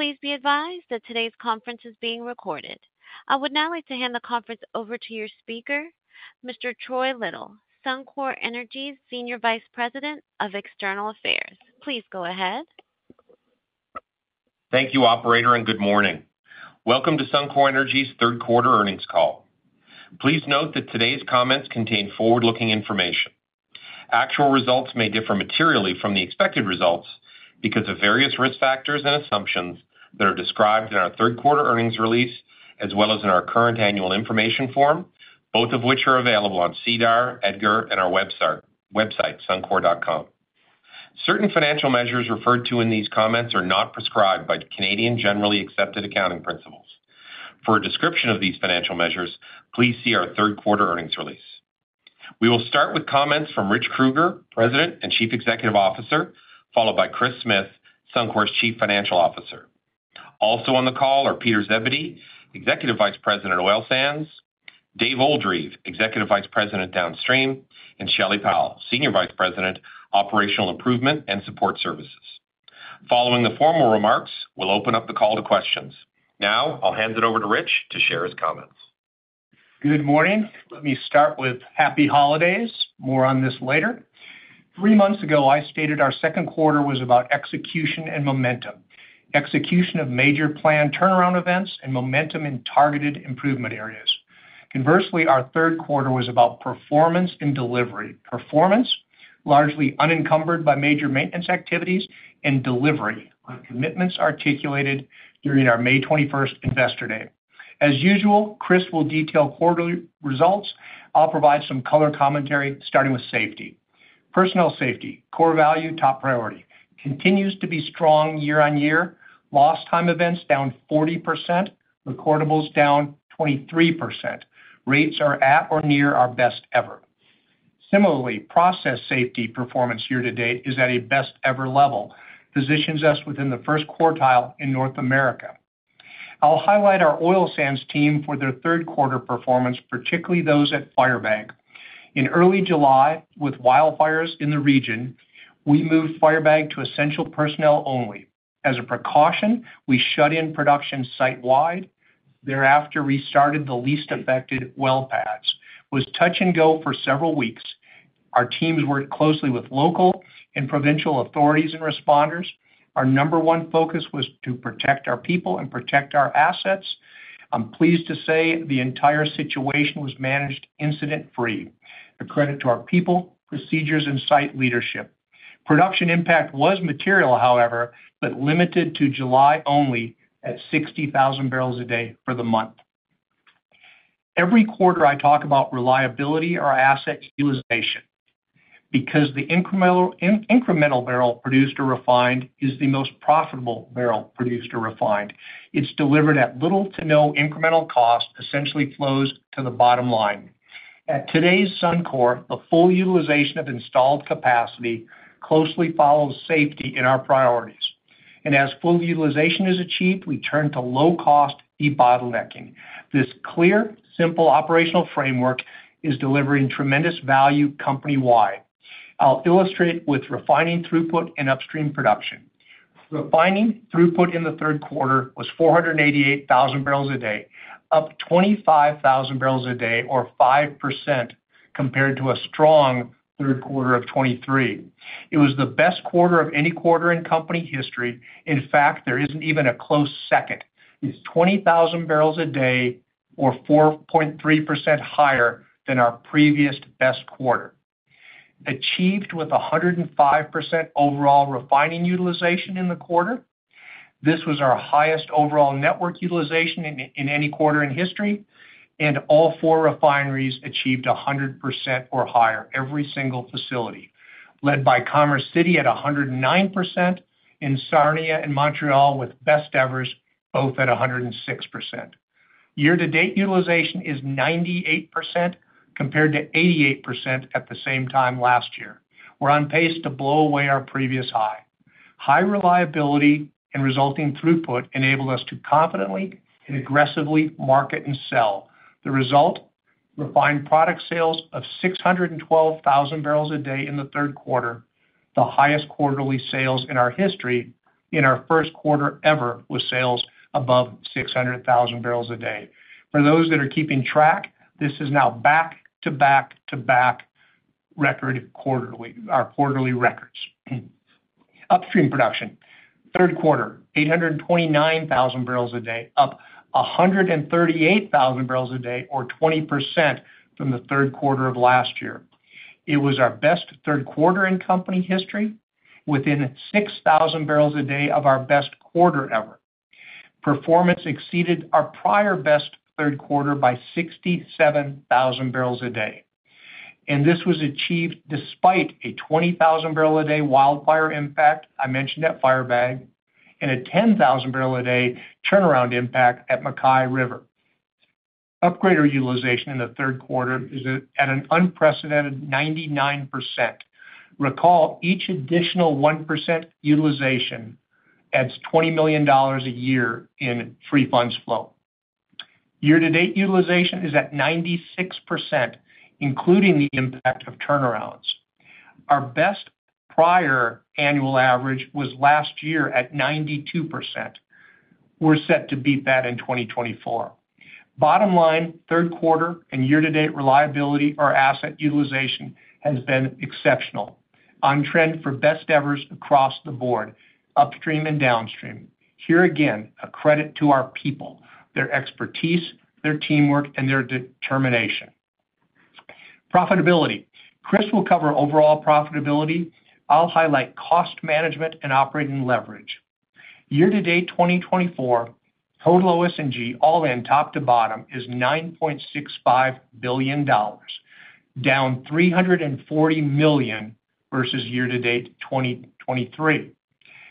Please be advised that today's conference is being recorded. I would now like to hand the conference over to your speaker, Mr. Troy Little, Suncor Energy's Senior Vice President of External Affairs. Please go ahead. Thank you, Operator, and good morning. Welcome to Suncor Energy's Third Quarter Earnings Call. Please note that today's comments contain forward-looking information. Actual results may differ materially from the expected results because of various risk factors and assumptions that are described in our third quarter earnings release, as well as in our current Annual Information Form, both of which are available on SEDAR, EDGAR, and our website suncor.com. Certain financial measures referred to in these comments are not prescribed by Canadian generally accepted accounting principles. For a description of these financial measures, please see our third quarter earnings release. We will start with comments from Rich Kruger, President and Chief Executive Officer, followed by Kris Smith, Suncor's Chief Financial Officer. Also on the call are Peter Zebedee, Executive Vice President at Oil Sands, Dave Oldreive, Executive Vice President Downstream, and Shelley Powell, Senior Vice President, Operational Improvement and Support Services. Following the formal remarks, we'll open up the call to questions. Now, I'll hand it over to Rich to share his comments. Good morning. Let me start with happy holidays. More on this later. Three months ago, I stated our second quarter was about execution and momentum, execution of major plan turnaround events and momentum in targeted improvement areas. Conversely, our third quarter was about performance and delivery. Performance, largely unencumbered by major maintenance activities, and delivery on commitments articulated during our May 21st Investor Day. As usual, Kris will detail quarterly results. I'll provide some color commentary starting with safety. Personnel safety, core value, top priority, continues to be strong year on year. Lost time events down 40%, recordables down 23%. Rates are at or near our best ever. Similarly, process safety performance year to date is at a best ever level, positions us within the first quartile in North America. I'll highlight our Oil Sands team for their third quarter performance, particularly those at Firebag. In early July, with wildfires in the region, we moved Firebag to essential personnel only. As a precaution, we shut in production site-wide. Thereafter, we started the least affected well pads. It was touch and go for several weeks. Our teams worked closely with local and provincial authorities and responders. Our number one focus was to protect our people and protect our assets. I'm pleased to say the entire situation was managed incident-free. Credit to our people, procedures, and site leadership. Production impact was material, however, but limited to July only at 60,000 bbls a day for the month. Every quarter, I talk about reliability or asset utilization because the incremental barrel produced or refined is the most profitable barrel produced or refined. It's delivered at little to no incremental cost, essentially flows to the bottom line. At today's Suncor, the full utilization of installed capacity closely follows safety in our priorities. And as full utilization is achieved, we turn to low-cost debottlenecking. This clear, simple operational framework is delivering tremendous value company-wide. I'll illustrate with refining throughput and upstream production. Refining throughput in the third quarter was 488,000 bbls a day, up 25,000 bbls a day, or 5% compared to a strong third quarter of 2023. It was the best quarter of any quarter in company history. In fact, there isn't even a close second. It's 20,000 bbls a day, or 4.3% higher than our previous best quarter. Achieved with 105% overall refining utilization in the quarter. This was our highest overall network utilization in any quarter in history. And all four refineries achieved 100% or higher every single facility. Led by Commerce City at 109%, and Sarnia and Montreal with best evers both at 106%. Year-to-date utilization is 98% compared to 88% at the same time last year. We're on pace to blow away our previous high. High reliability and resulting throughput enabled us to confidently and aggressively market and sell. The result, refined product sales of 612,000 bbls a day in the third quarter, the highest quarterly sales in our history. In our first quarter ever, with sales above 600,000 bbls a day. For those that are keeping track, this is now back to back to back record quarterly, our quarterly records. Upstream production, third quarter, 829,000 bbls a day, up 138,000 bbls a day, or 20% from the third quarter of last year. It was our best third quarter in company history within 6,000 bbls a day of our best quarter ever. Performance exceeded our prior best third quarter by 67,000 bbls a day. And this was achieved despite a 20,000 barrel a day wildfire impact I mentioned at Firebag and a 10,000 barrel a day turnaround impact at MacKay River. Upgrader utilization in the third quarter is at an unprecedented 99%. Recall, each additional 1% utilization adds $20 million a year in free funds flow. Year-to-date utilization is at 96%, including the impact of turnarounds. Our best prior annual average was last year at 92%. We're set to beat that in 2024. Bottom line, third quarter and year-to-date reliability or asset utilization has been exceptional. On trend for best ever's across the board, upstream and downstream. Here again, a credit to our people, their expertise, their teamwork, and their determination. Profitability. Kris will cover overall profitability. I'll highlight cost management and operating leverage. Year-to-date 2024, total OS&G all in top to bottom is $9.65 billion, down $340 million versus year-to-date 2023.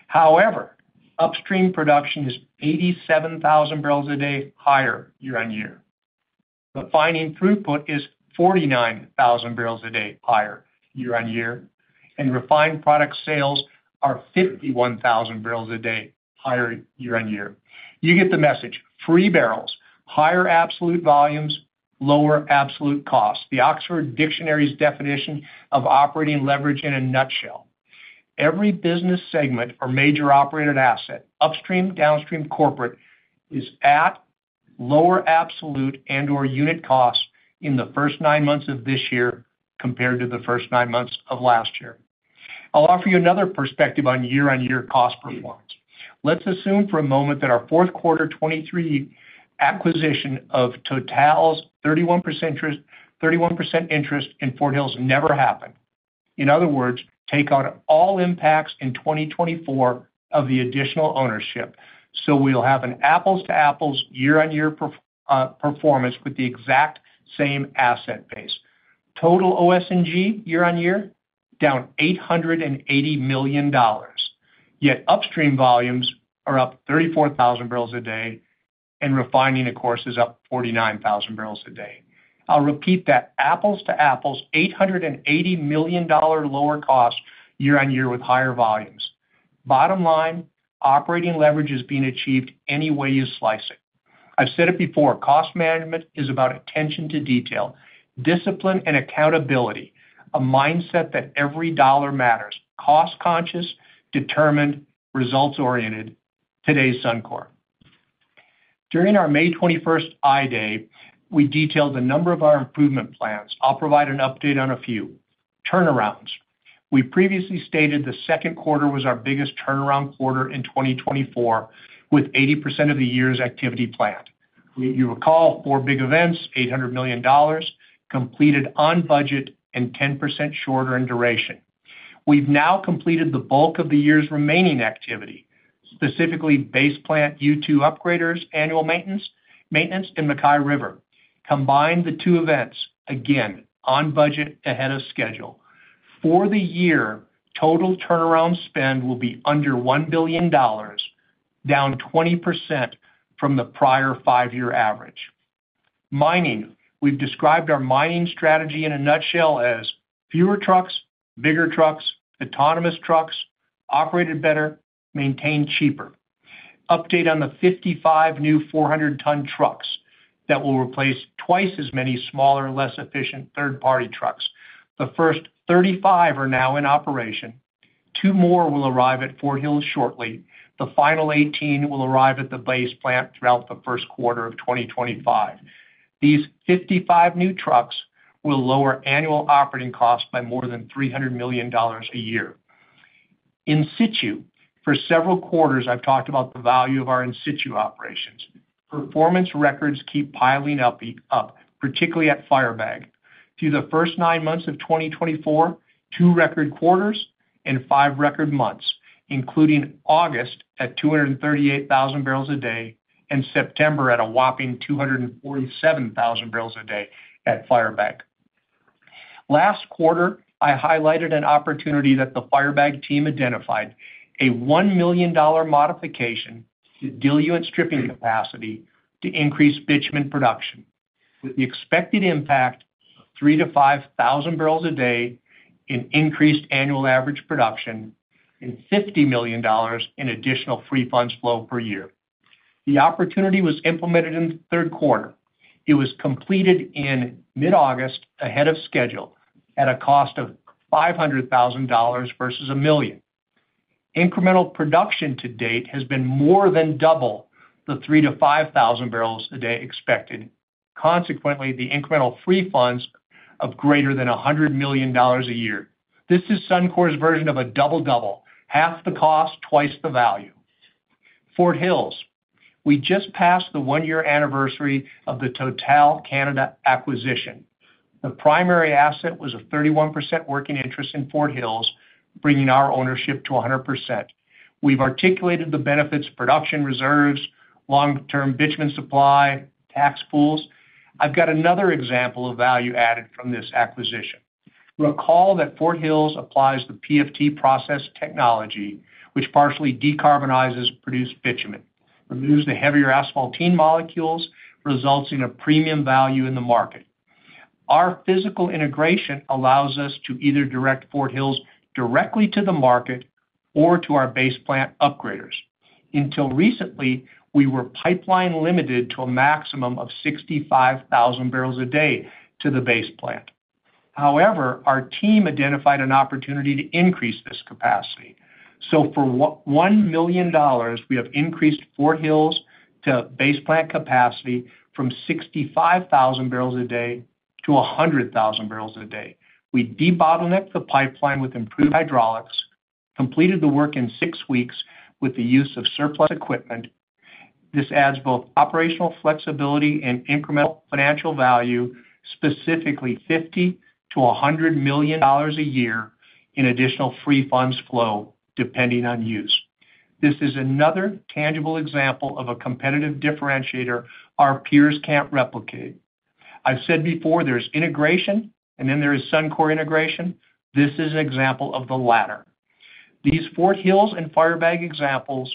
However, upstream production is 87,000 bbls a day higher year on year. Refining throughput is 49,000 bbls a day higher year on year, and refined product sales are 51,000 bbls a day higher year on year. You get the message. Free barrels, higher absolute volumes, lower absolute costs. The Oxford Dictionary's definition of operating leverage in a nutshell. Every business segment or major operated asset, upstream, downstream, corporate, is at lower absolute and/or unit costs in the first nine months of this year compared to the first nine months of last year. I'll offer you another perspective on year-on-year cost performance. Let's assume for a moment that our fourth quarter 2023 acquisition of Total's 31% interest in Fort Hills never happened. In other words, take on all impacts in 2024 of the additional ownership, so we'll have an apples-to-apples year-on-year performance with the exact same asset base. Total OS&G year-on-year, down $880 million. Yet upstream volumes are up 34,000 bbls a day, and refining, of course, is up 49,000 bbls a day. I'll repeat that. Apples-to-apples, $880 million lower cost year-on-year with higher volumes. Bottom line, operating leverage is being achieved any way you slice it. I've said it before. Cost management is about attention to detail, discipline, and accountability, a mindset that every dollar matters. Cost-conscious, determined, results-oriented, today's Suncor. During our May 21st I-Day, we detailed the number of our improvement plans. I'll provide an update on a few. Turnarounds. We previously stated the second quarter was our biggest turnaround quarter in 2024 with 80% of the year's activity planned. You recall four big events, $800 million, completed on budget and 10% shorter in duration. We've now completed the bulk of the year's remaining activity, specifically Base Plant U2 Upgrader's, annual maintenance, maintenance in MacKay River. Combine the two events, again, on budget ahead of schedule. For the year, total turnaround spend will be under $1 billion, down 20% from the prior five-year average. Mining. We've described our mining strategy in a nutshell as fewer trucks, bigger trucks, autonomous trucks, operated better, maintained cheaper. Update on the 55 new 400-ton trucks that will replace twice as many smaller, less efficient third-party trucks. The first 35 are now in operation. Two more will arrive at Fort Hills shortly. The final 18 will arrive at the Base Plant throughout the first quarter of 2025. These 55 new trucks will lower annual operating costs by more than $300 million a year. In situ, for several quarters, I've talked about the value of our in situ operations. Performance records keep piling up, particularly at Firebag. Through the first nine months of 2024, two record quarters and five record months, including August at 238,000 bbls a day and September at a whopping 247,000 bbls a day at Firebag. Last quarter, I highlighted an opportunity that the Firebag team identified, a $1 million modification to diluent stripping capacity to increase bitumen production, with the expected impact of 3,000 bbls-5,000 bbls a day in increased annual average production and $50 million in additional free funds flow per year. The opportunity was implemented in the third quarter. It was completed in mid-August ahead of schedule at a cost of $500,000 versus a million. Incremental production to date has been more than double the 3,000 bbls-5,000 bbls a day expected. Consequently, the incremental free funds flow of greater than $100 million a year. This is Suncor's version of a double-double, half the cost, twice the value. Fort Hills. We just passed the one-year anniversary of the TotalEnergies acquisition. The primary asset was a 31% working interest in Fort Hills, bringing our ownership to 100%. We've articulated the benefits, production reserves, long-term bitumen supply, tax pools. I've got another example of value added from this acquisition. Recall that Fort Hills applies the PFT process technology, which partially decarbonizes produced bitumen, removes the heavier asphaltenes molecules, results in a premium value in the market. Our physical integration allows us to either direct Fort Hills directly to the market or to our Base Plant upgraders. Until recently, we were pipeline limited to a maximum of 65,000 bbls a day to the Base Plant. However, our team identified an opportunity to increase this capacity. For $1 million, we have increased Fort Hills to Base Plant capacity from 65,000 bbls a day to 100,000 bbls a day. We debottlenecked the pipeline with improved hydraulics, completed the work in six weeks with the use of surplus equipment. This adds both operational flexibility and incremental financial value, specifically $50 million to $100 million a year in additional free funds flow depending on use. This is another tangible example of a competitive differentiator our peers can't replicate. I've said before, there's integration, and then there is Suncor integration. This is an example of the latter. These Fort Hills and Firebag examples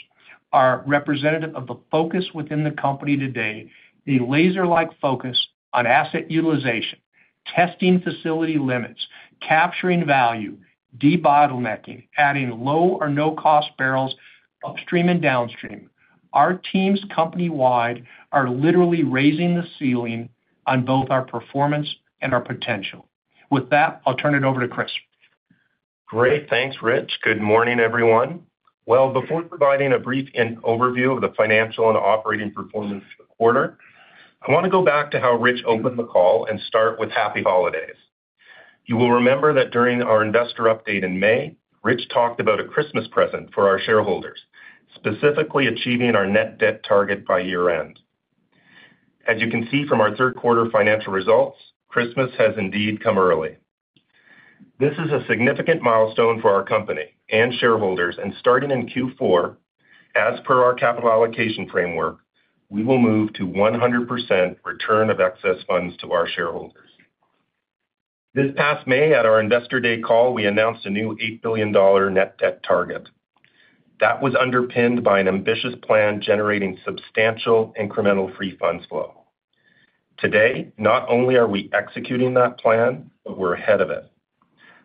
are representative of the focus within the company today, a laser-like focus on asset utilization, testing facility limits, capturing value, debottlenecking, adding low or no-cost barrels upstream and downstream. Our teams company-wide are literally raising the ceiling on both our performance and our potential. With that, I'll turn it over to Kris. Great. Thanks, Rich. Good morning, everyone. Before providing a brief overview of the financial and operating performance for the quarter, I want to go back to how Rich opened the call and start with happy holidays. You will remember that during our investor update in May, Rich talked about a Christmas present for our shareholders, specifically achieving our net debt target by year-end. As you can see from our third quarter financial results, Christmas has indeed come early. This is a significant milestone for our company and shareholders, and starting in Q4, as per our capital allocation framework, we will move to 100% return of excess funds to our shareholders. This past May, at our Investor Day call, we announced a new $8 billion net debt target. That was underpinned by an ambitious plan generating substantial incremental free funds flow. Today, not only are we executing that plan, but we're ahead of it,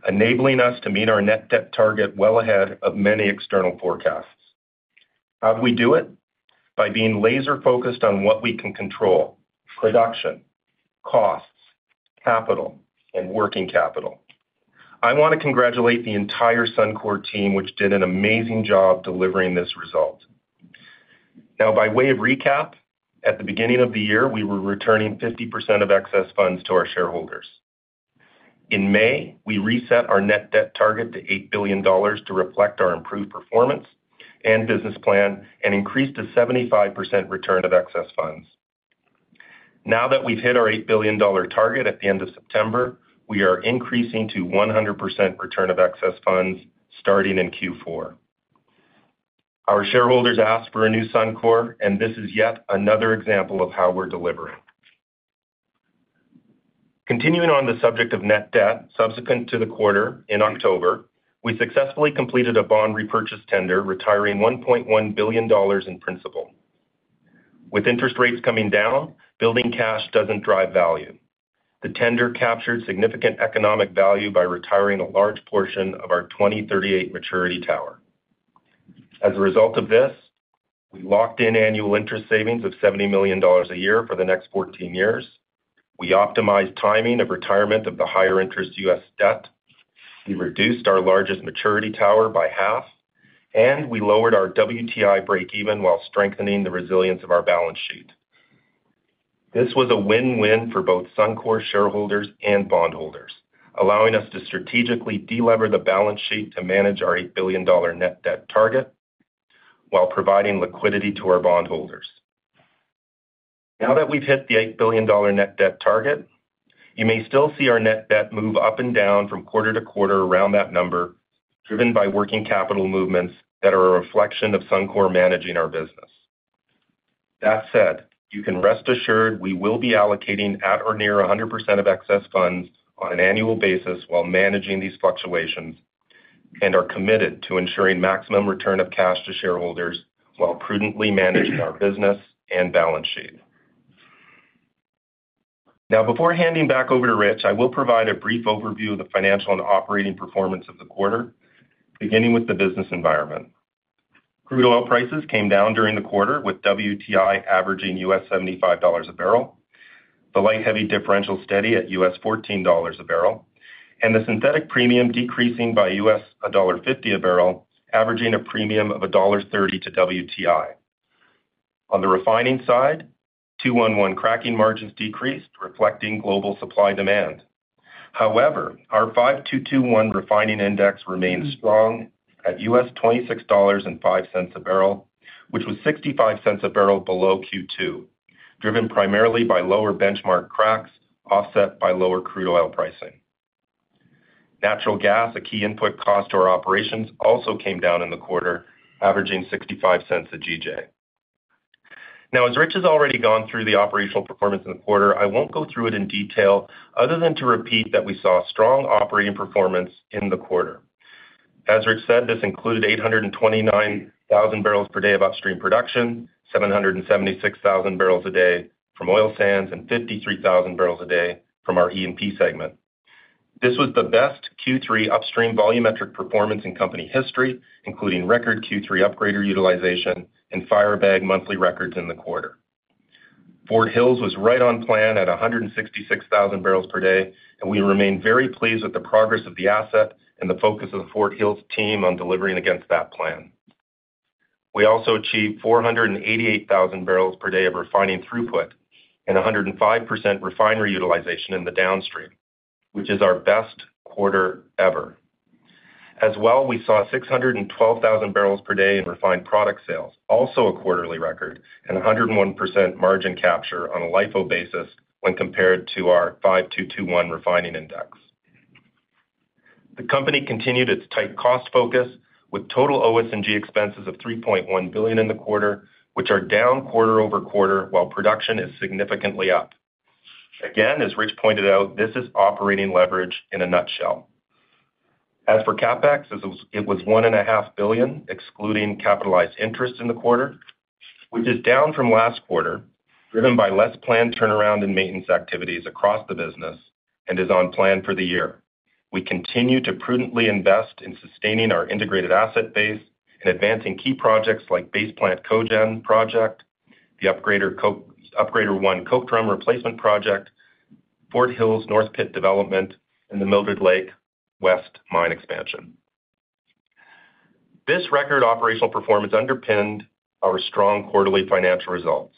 enabling us to meet our net debt target well ahead of many external forecasts. How do we do it? By being laser-focused on what we can control, production, costs, capital, and working capital. I want to congratulate the entire Suncor team, which did an amazing job delivering this result. Now, by way of recap, at the beginning of the year, we were returning 50% of excess funds to our shareholders. In May, we reset our net debt target to $8 billion to reflect our improved performance and business plan and increased to 75% return of excess funds. Now that we've hit our $8 billion target at the end of September, we are increasing to 100% return of excess funds starting in Q4. Our shareholders asked for a new Suncor, and this is yet another example of how we're delivering. Continuing on the subject of net debt, subsequent to the quarter in October, we successfully completed a bond repurchase tender, retiring $1.1 billion in principal. With interest rates coming down, building cash doesn't drive value. The tender captured significant economic value by retiring a large portion of our 2038 maturity tower. As a result of this, we locked in annual interest savings of $70 million a year for the next 14 years. We optimized timing of retirement of the higher interest U.S. debt. We reduced our largest maturity tower by half, and we lowered our WTI break-even while strengthening the resilience of our balance sheet. This was a win-win for both Suncor shareholders and bondholders, allowing us to strategically delever the balance sheet to manage our $8 billion net debt target while providing liquidity to our bondholders. Now that we've hit the $8 billion net debt target, you may still see our net debt move up and down from quarter to quarter around that number, driven by working capital movements that are a reflection of Suncor managing our business. That said, you can rest assured we will be allocating at or near 100% of excess funds on an annual basis while managing these fluctuations and are committed to ensuring maximum return of cash to shareholders while prudently managing our business and balance sheet. Now, before handing back over to Rich, I will provide a brief overview of the financial and operating performance of the quarter, beginning with the business environment. Crude oil prices came down during the quarter, with WTI averaging $75 a barrel, the light heavy differential steady at $14 a barrel, and the synthetic premium decreasing by $1.50 a barrel, averaging a premium of $1.30 to WTI. On the refining side, 2-1-1 cracking margins decreased, reflecting global supply demand. However, our 5-2-2-1 refining index remained strong at $26.05 a barrel, which was 65 cents a barrel below Q2, driven primarily by lower benchmark cracks offset by lower crude oil pricing. Natural gas, a key input cost to our operations, also came down in the quarter, averaging 65 cents a GJ. Now, as Rich has already gone through the operational performance in the quarter, I won't go through it in detail other than to repeat that we saw strong operating performance in the quarter. As Rich said, this included 829,000 bbls per day of upstream production, 776,000 bbls a day from oil sands, and 53,000 bbls a day from our E&P segment. This was the best Q3 upstream volumetric performance in company history, including record Q3 upgrader utilization and Firebag monthly records in the quarter. Fort Hills was right on plan at 166,000 bbls per day, and we remain very pleased with the progress of the asset and the focus of the Fort Hills team on delivering against that plan. We also achieved 488,000 bbls per day of refining throughput and 105% refinery utilization in the downstream, which is our best quarter ever. As well, we saw 612,000 bbls per day in refined product sales, also a quarterly record, and 101% margin capture on a LIFO basis when compared to our 5-2-2-1 refining index. The company continued its tight cost focus with total OS&G expenses of $3.1 billion in the quarter, which are down quarter over quarter while production is significantly up. Again, as Rich pointed out, this is operating leverage in a nutshell. As for CapEx, it was $1.5 billion excluding capitalized interest in the quarter, which is down from last quarter, driven by less planned turnaround and maintenance activities across the business and is on plan for the year. We continue to prudently invest in sustaining our integrated asset base and advancing key projects like Base Plant Cogen project, the Upgrader 1 Coker replacement project, Fort Hills North Pit development, and the Mildred Lake West Mine expansion. This record operational performance underpinned our strong quarterly financial results.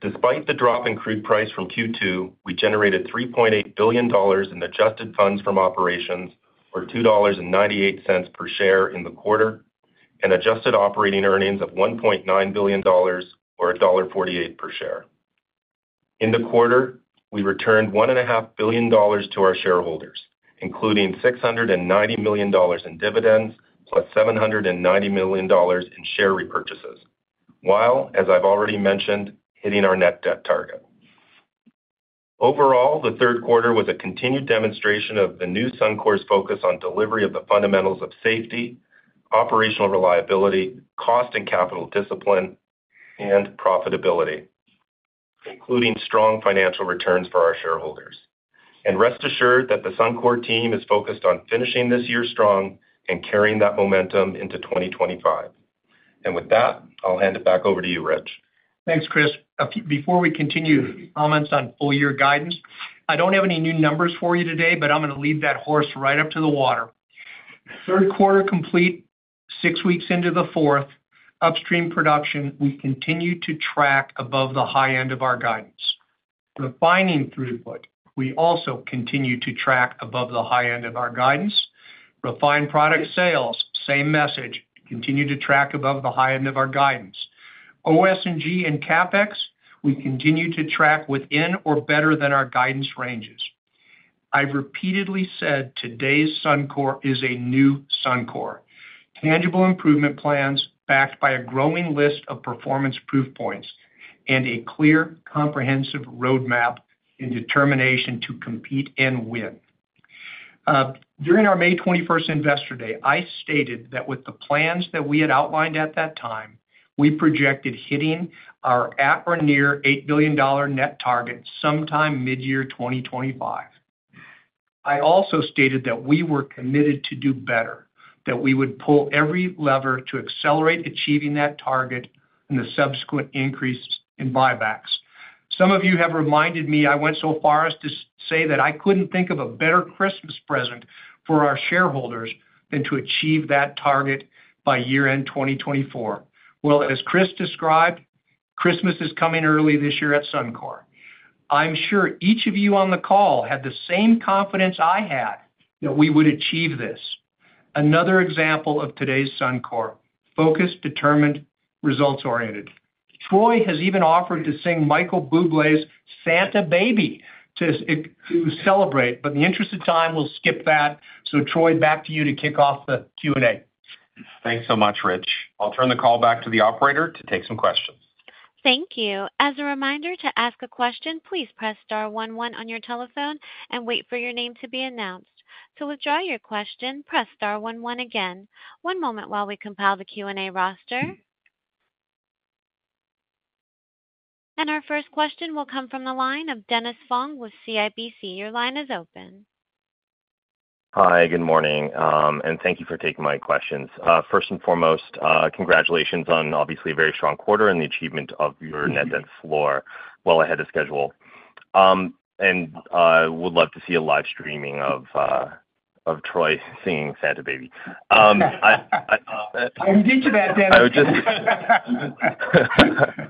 Despite the drop in crude price from Q2, we generated $3.8 billion in adjusted funds from operations or $2.98 per share in the quarter and adjusted operating earnings of $1.9 billion or $1.48 per share. In the quarter, we returned $1.5 billion to our shareholders, including $690 million in dividends plus $790 million in share repurchases, while, as I've already mentioned, hitting our net debt target. Overall, the third quarter was a continued demonstration of the new Suncor's focus on delivery of the fundamentals of safety, operational reliability, cost and capital discipline, and profitability, including strong financial returns for our shareholders. And rest assured that the Suncor team is focused on finishing this year strong and carrying that momentum into 2025. And with that, I'll hand it back over to you, Rich. Thanks, Kris. Before we continue comments on full year guidance, I don't have any new numbers for you today, but I'm going to lead that horse right up to the water. Third quarter complete, six weeks into the fourth, upstream production, we continue to track above the high end of our guidance. Refining throughput, we also continue to track above the high end of our guidance. Refined product sales, same message, continue to track above the high end of our guidance. OS&G and CapEx, we continue to track within or better than our guidance ranges. I've repeatedly said today's Suncor is a new Suncor. Tangible improvement plans backed by a growing list of performance proof points and a clear, comprehensive roadmap and determination to compete and win. During our May 21st Investor Day, I stated that with the plans that we had outlined at that time, we projected hitting our at or near $8 billion net target sometime mid-year 2025. I also stated that we were committed to do better, that we would pull every lever to accelerate achieving that target and the subsequent increase in buybacks. Some of you have reminded me I went so far as to say that I couldn't think of a better Christmas present for our shareholders than to achieve that target by year-end 2024. Well, as Kris described, Christmas is coming early this year at Suncor. I'm sure each of you on the call had the same confidence I had that we would achieve this. Another example of today's Suncor, focused, determined, results-oriented. Troy has even offered to sing Michael Bublé's "Santa Baby" to celebrate, but in the interest of time, we'll skip that, so Troy, back to you to kick off the Q&A. Thanks so much, Rich. I'll turn the call back to the operator to take some questions. Thank you. As a reminder, to ask a question, please press star 11 on your telephone and wait for your name to be announced. To withdraw your question, press star 11 again. One moment while we compile the Q&A roster, and our first question will come from the line of Dennis Fong with CIBC. Your line is open. Hi, good morning, and thank you for taking my questions. First and foremost, congratulations on obviously a very strong quarter and the achievement of your net debt floor well ahead of schedule. I would love to see a live streaming of Troy singing "Santa Baby." I'm good to that, Dennis.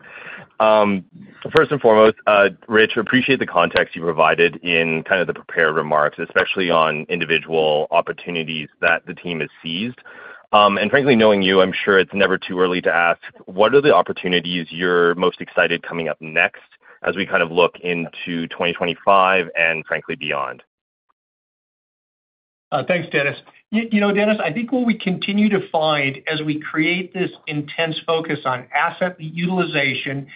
First and foremost, Rich, I appreciate the context you provided in kind of the prepared remarks, especially on individual opportunities that the team has seized. Frankly, knowing you, I'm sure it's never too early to ask, what are the opportunities you're most excited coming up next as we kind of look into 2025 and frankly beyond? Thanks, Dennis. You know, Dennis, I think what we continue to find as we create this intense focus on asset utilization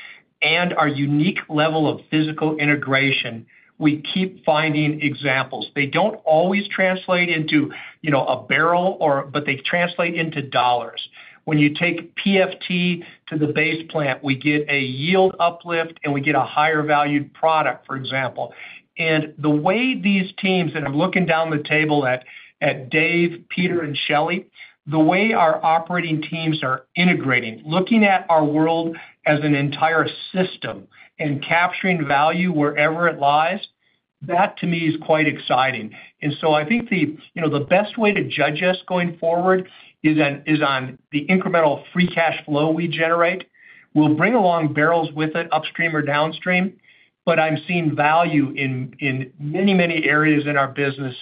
and our unique level of physical integration, we keep finding examples. They don't always translate into a barrel, but they translate into dollars. When you take PFT to the Base Plant, we get a yield uplift and we get a higher valued product, for example. And the way these teams, and I'm looking down the table at Dave, Peter, and Shelley, the way our operating teams are integrating, looking at our world as an entire system and capturing value wherever it lies, that to me is quite exciting. And so I think the best way to judge us going forward is on the incremental free cash flow we generate. We'll bring along barrels with it upstream or downstream, but I'm seeing value in many, many areas in our business.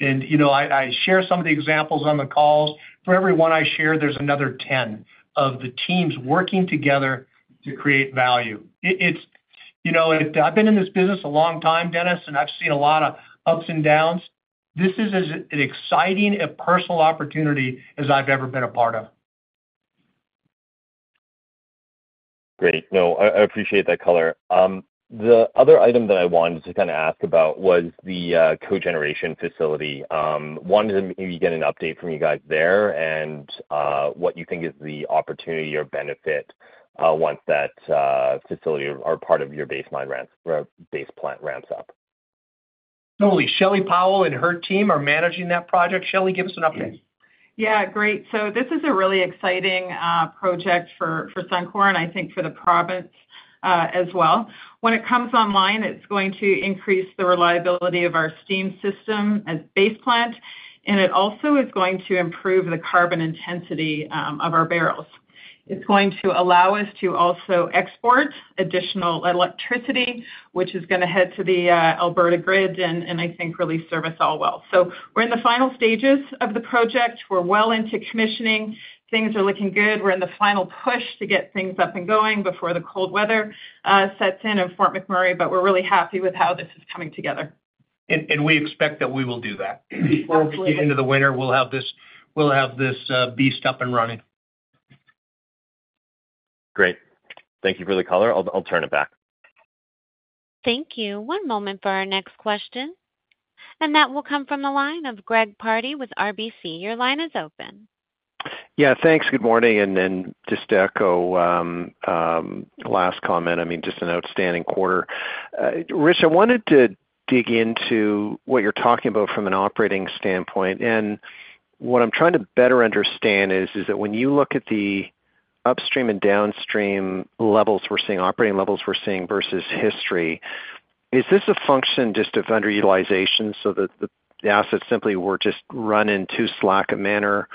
And I share some of the examples on the calls. For every one I share, there's another 10 of the teams working together to create value. I've been in this business a long time, Dennis, and I've seen a lot of ups and downs. This is as exciting a personal opportunity as I've ever been a part of. Great. No, I appreciate that color. The other item that I wanted to kind of ask about was the cogeneration facility. Wanted to maybe get an update from you guys there and what you think is the opportunity or benefit once that facility or part of your Base Plant ramps up. Totally. Shelley Powell and her team are managing that project. Shelley, give us an update. Yeah, great. So this is a really exciting project for Suncor and I think for the province as well. When it comes online, it's going to increase the reliability of our steam system as Base Plant, and it also is going to improve the carbon intensity of our barrels. It's going to allow us to also export additional electricity, which is going to head to the Alberta grid and I think really serve us all well. So we're in the final stages of the project. We're well into commissioning. Things are looking good. We're in the final push to get things up and going before the cold weather sets in in Fort McMurray, but we're really happy with how this is coming together. And we expect that we will do that. Towards the end of the winter, we'll have this beast up and running. Great. Thank you for the color. I'll turn it back. Thank you. One moment for our next question. And that will come from the line of Greg Pardy with RBC. Your line is open. Yeah, thanks. Good morning. And just to echo last comment, I mean, just an outstanding quarter. Rich, I wanted to dig into what you're talking about from an operating standpoint. And what I'm trying to better understand is that when you look at the upstream and downstream levels we're seeing, operating levels we're seeing versus history, is this a function just of underutilization so that the assets simply were just run in too slack a manner,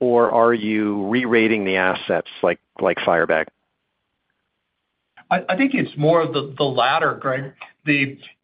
or are you re-rating the assets like Firebag? I think it's more of the latter, Greg.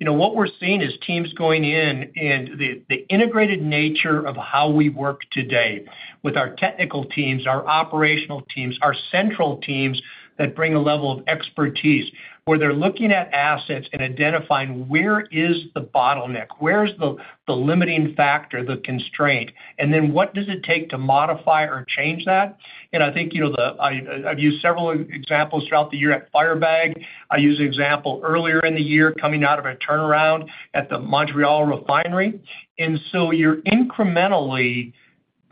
What we're seeing is teams going in and the integrated nature of how we work today with our technical teams, our operational teams, our central teams that bring a level of expertise where they're looking at assets and identifying where is the bottleneck, where's the limiting factor, the constraint, and then what does it take to modify or change that. And I think I've used several examples throughout the year at Firebag. I used an example earlier in the year coming out of a turnaround at the Montreal refinery, and so you're incrementally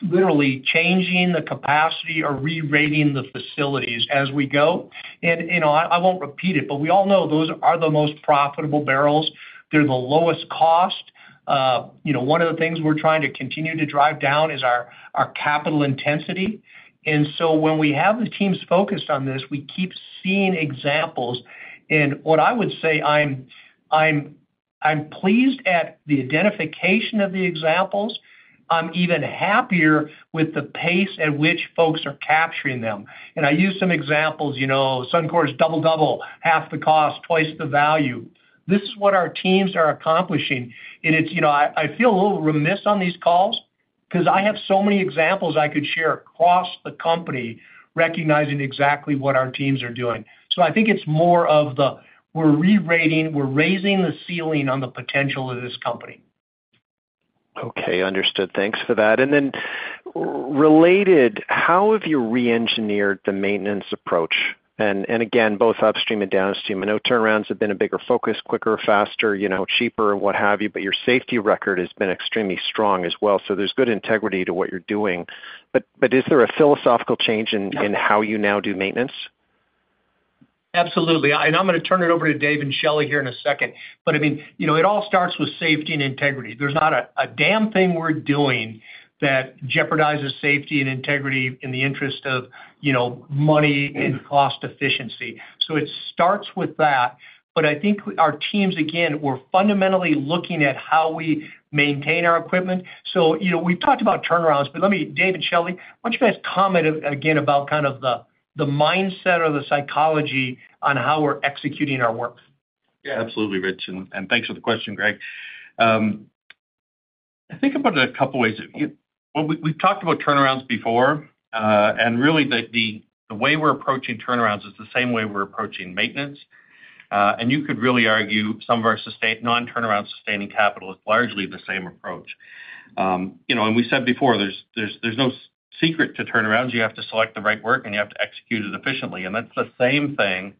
literally changing the capacity or re-rating the facilities as we go, and I won't repeat it, but we all know those are the most profitable barrels. They're the lowest cost. One of the things we're trying to continue to drive down is our capital intensity, and so when we have the teams focused on this, we keep seeing examples, and what I would say, I'm pleased at the identification of the examples. I'm even happier with the pace at which folks are capturing them, and I use some examples. Suncor is double double, half the cost, twice the value. This is what our teams are accomplishing. I feel a little remiss on these calls because I have so many examples I could share across the company recognizing exactly what our teams are doing. So I think it's more of that we're re-rating, we're raising the ceiling on the potential of this company. Okay, understood. Thanks for that. And then related, how have you re-engineered the maintenance approach? And again, both upstream and downstream, I know turnarounds have been a bigger focus, quicker, faster, cheaper, what have you, but your safety record has been extremely strong as well. So there's good integrity to what you're doing. But is there a philosophical change in how you now do maintenance? Absolutely. And I'm going to turn it over to Dave and Shelley here in a second. But I mean, it all starts with safety and integrity. There's not a damn thing we're doing that jeopardizes safety and integrity in the interest of money and cost efficiency. So it starts with that. But I think our teams, again, we're fundamentally looking at how we maintain our equipment. So we've talked about turnarounds, but let me, Dave and Shelley, why don't you guys comment again about kind of the mindset or the psychology on how we're executing our work? Yeah, absolutely, Rich. And thanks for the question, Greg. I think about it a couple of ways. We've talked about turnarounds before, and really the way we're approaching turnarounds is the same way we're approaching maintenance. And you could really argue some of our non-turnaround sustaining capital is largely the same approach. And we said before, there's no secret to turnarounds. You have to select the right work, and you have to execute it efficiently. and that's the same thing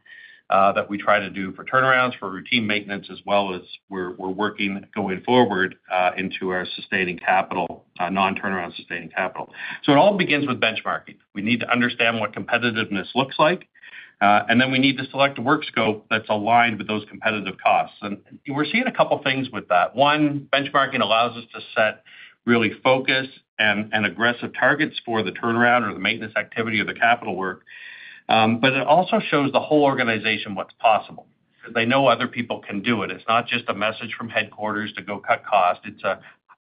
that we try to do for turnarounds, for routine maintenance, as well as we're working going forward into our sustaining capital, non-turnaround sustaining capital. So it all begins with benchmarking. We need to understand what competitiveness looks like, and then we need to select a work scope that's aligned with those competitive costs. and we're seeing a couple of things with that. One, benchmarking allows us to set really focused and aggressive targets for the turnaround or the maintenance activity or the capital work. but it also shows the whole organization what's possible because they know other people can do it. It's not just a message from headquarters to go cut costs. It's,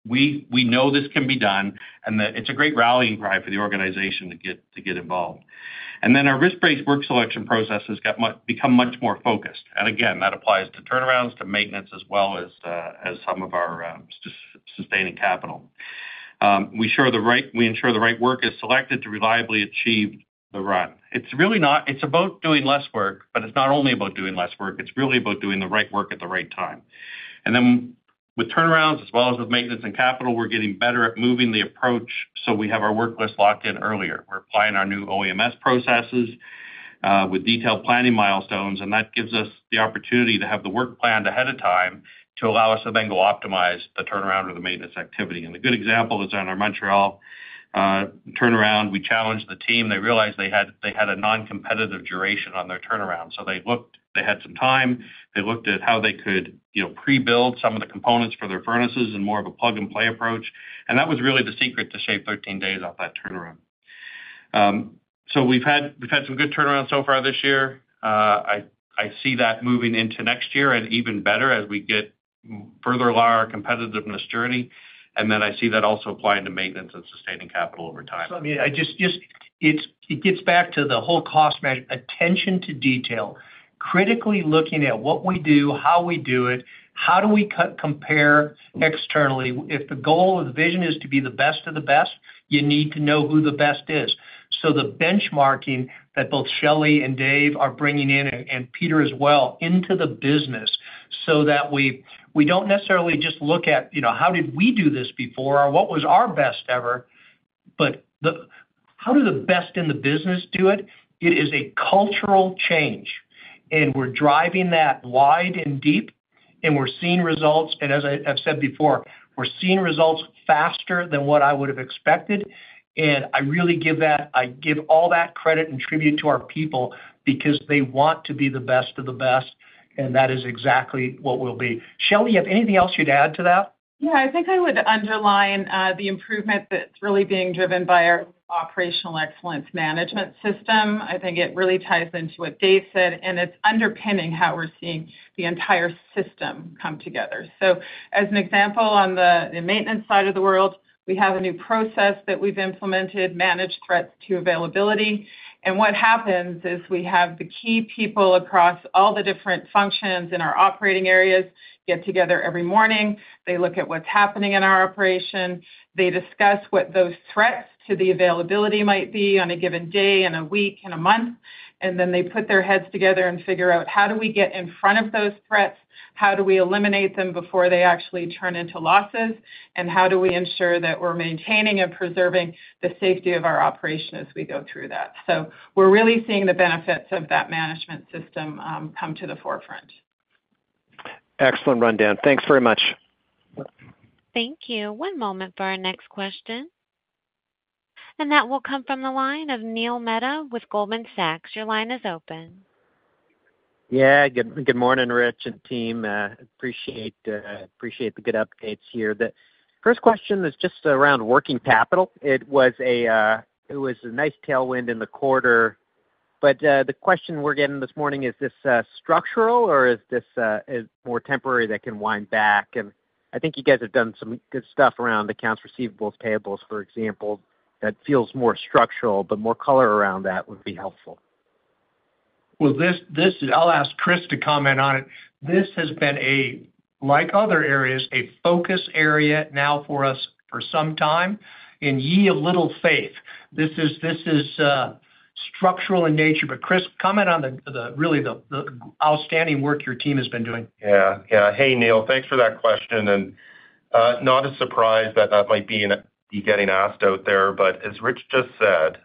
"we know this can be done," and it's a great rallying cry for the organization to get involved. and then our risk-based work selection process has become much more focused. And again, that applies to turnarounds, to maintenance, as well as some of our sustaining capital. We ensure the right work is selected to reliably achieve the run. It's about doing less work, but it's not only about doing less work. It's really about doing the right work at the right time. And then with turnarounds, as well as with maintenance and capital, we're getting better at moving the approach so we have our work list locked in earlier. We're applying our new OEMS processes with detailed planning milestones, and that gives us the opportunity to have the work planned ahead of time to allow us to then go optimize the turnaround or the maintenance activity. And a good example is on our Montreal turnaround. We challenged the team. They realized they had a non-competitive duration on their turnaround. So they looked, they had some time. They looked at how they could pre-build some of the components for their furnaces and more of a plug-and-play approach, and that was really the secret to shave 13 days off that turnaround, so we've had some good turnarounds so far this year. I see that moving into next year and even better as we get further along our competitiveness journey, and then I see that also applying to maintenance and sustaining capital over time. so I mean, it gets back to the whole cost measure, attention to detail, critically looking at what we do, how we do it, how do we compare externally. If the goal of the vision is to be the best of the best, you need to know who the best is. So the benchmarking that both Shelley and Dave are bringing in, and Peter as well, into the business so that we don't necessarily just look at how did we do this before or what was our best ever, but how do the best in the business do it? It is a cultural change. And we're driving that wide and deep, and we're seeing results. And as I've said before, we're seeing results faster than what I would have expected. And I really give all that credit and tribute to our people because they want to be the best of the best, and that is exactly what we'll be. Shelley, you have anything else you'd add to that? Yeah, I think I would underline the improvement that's really being driven by our Operational Excellence Management System. I think it really ties into what Dave said, and it's underpinning how we're seeing the entire system come together, so as an example, on the maintenance side of the world, we have a new process that we've implemented, Managed Threats to Availability, and what happens is we have the key people across all the different functions in our operating areas get together every morning. They look at what's happening in our operation. They discuss what those threats to the availability might be on a given day and a week and a month, and then they put their heads together and figure out how do we get in front of those threats, how do we eliminate them before they actually turn into losses, and how do we ensure that we're maintaining and preserving the safety of our operation as we go through that. So we're really seeing the benefits of that management system come to the forefront. Excellent rundown. Thanks very much. Thank you. One moment for our next question. And that will come from the line of Neil Mehta with Goldman Sachs. Your line is open. Yeah, good morning, Rich and team. Appreciate the good updates here. The first question is just around working capital. It was a nice tailwind in the quarter. But the question we're getting this morning, is this structural or is this more temporary that can wind back? And I think you guys have done some good stuff around accounts receivables, payables, for example, that feels more structural, but more color around that would be helpful. Well, I'll ask Kris to comment on it. This has been, like other areas, a focus area now for us for some time in the year of little faith. This is structural in nature, but Kris, comment on really the outstanding work your team has been doing. Yeah. Yeah. Hey, Neil, thanks for that question, and not a surprise that that might be getting asked out there, but as Rich just said,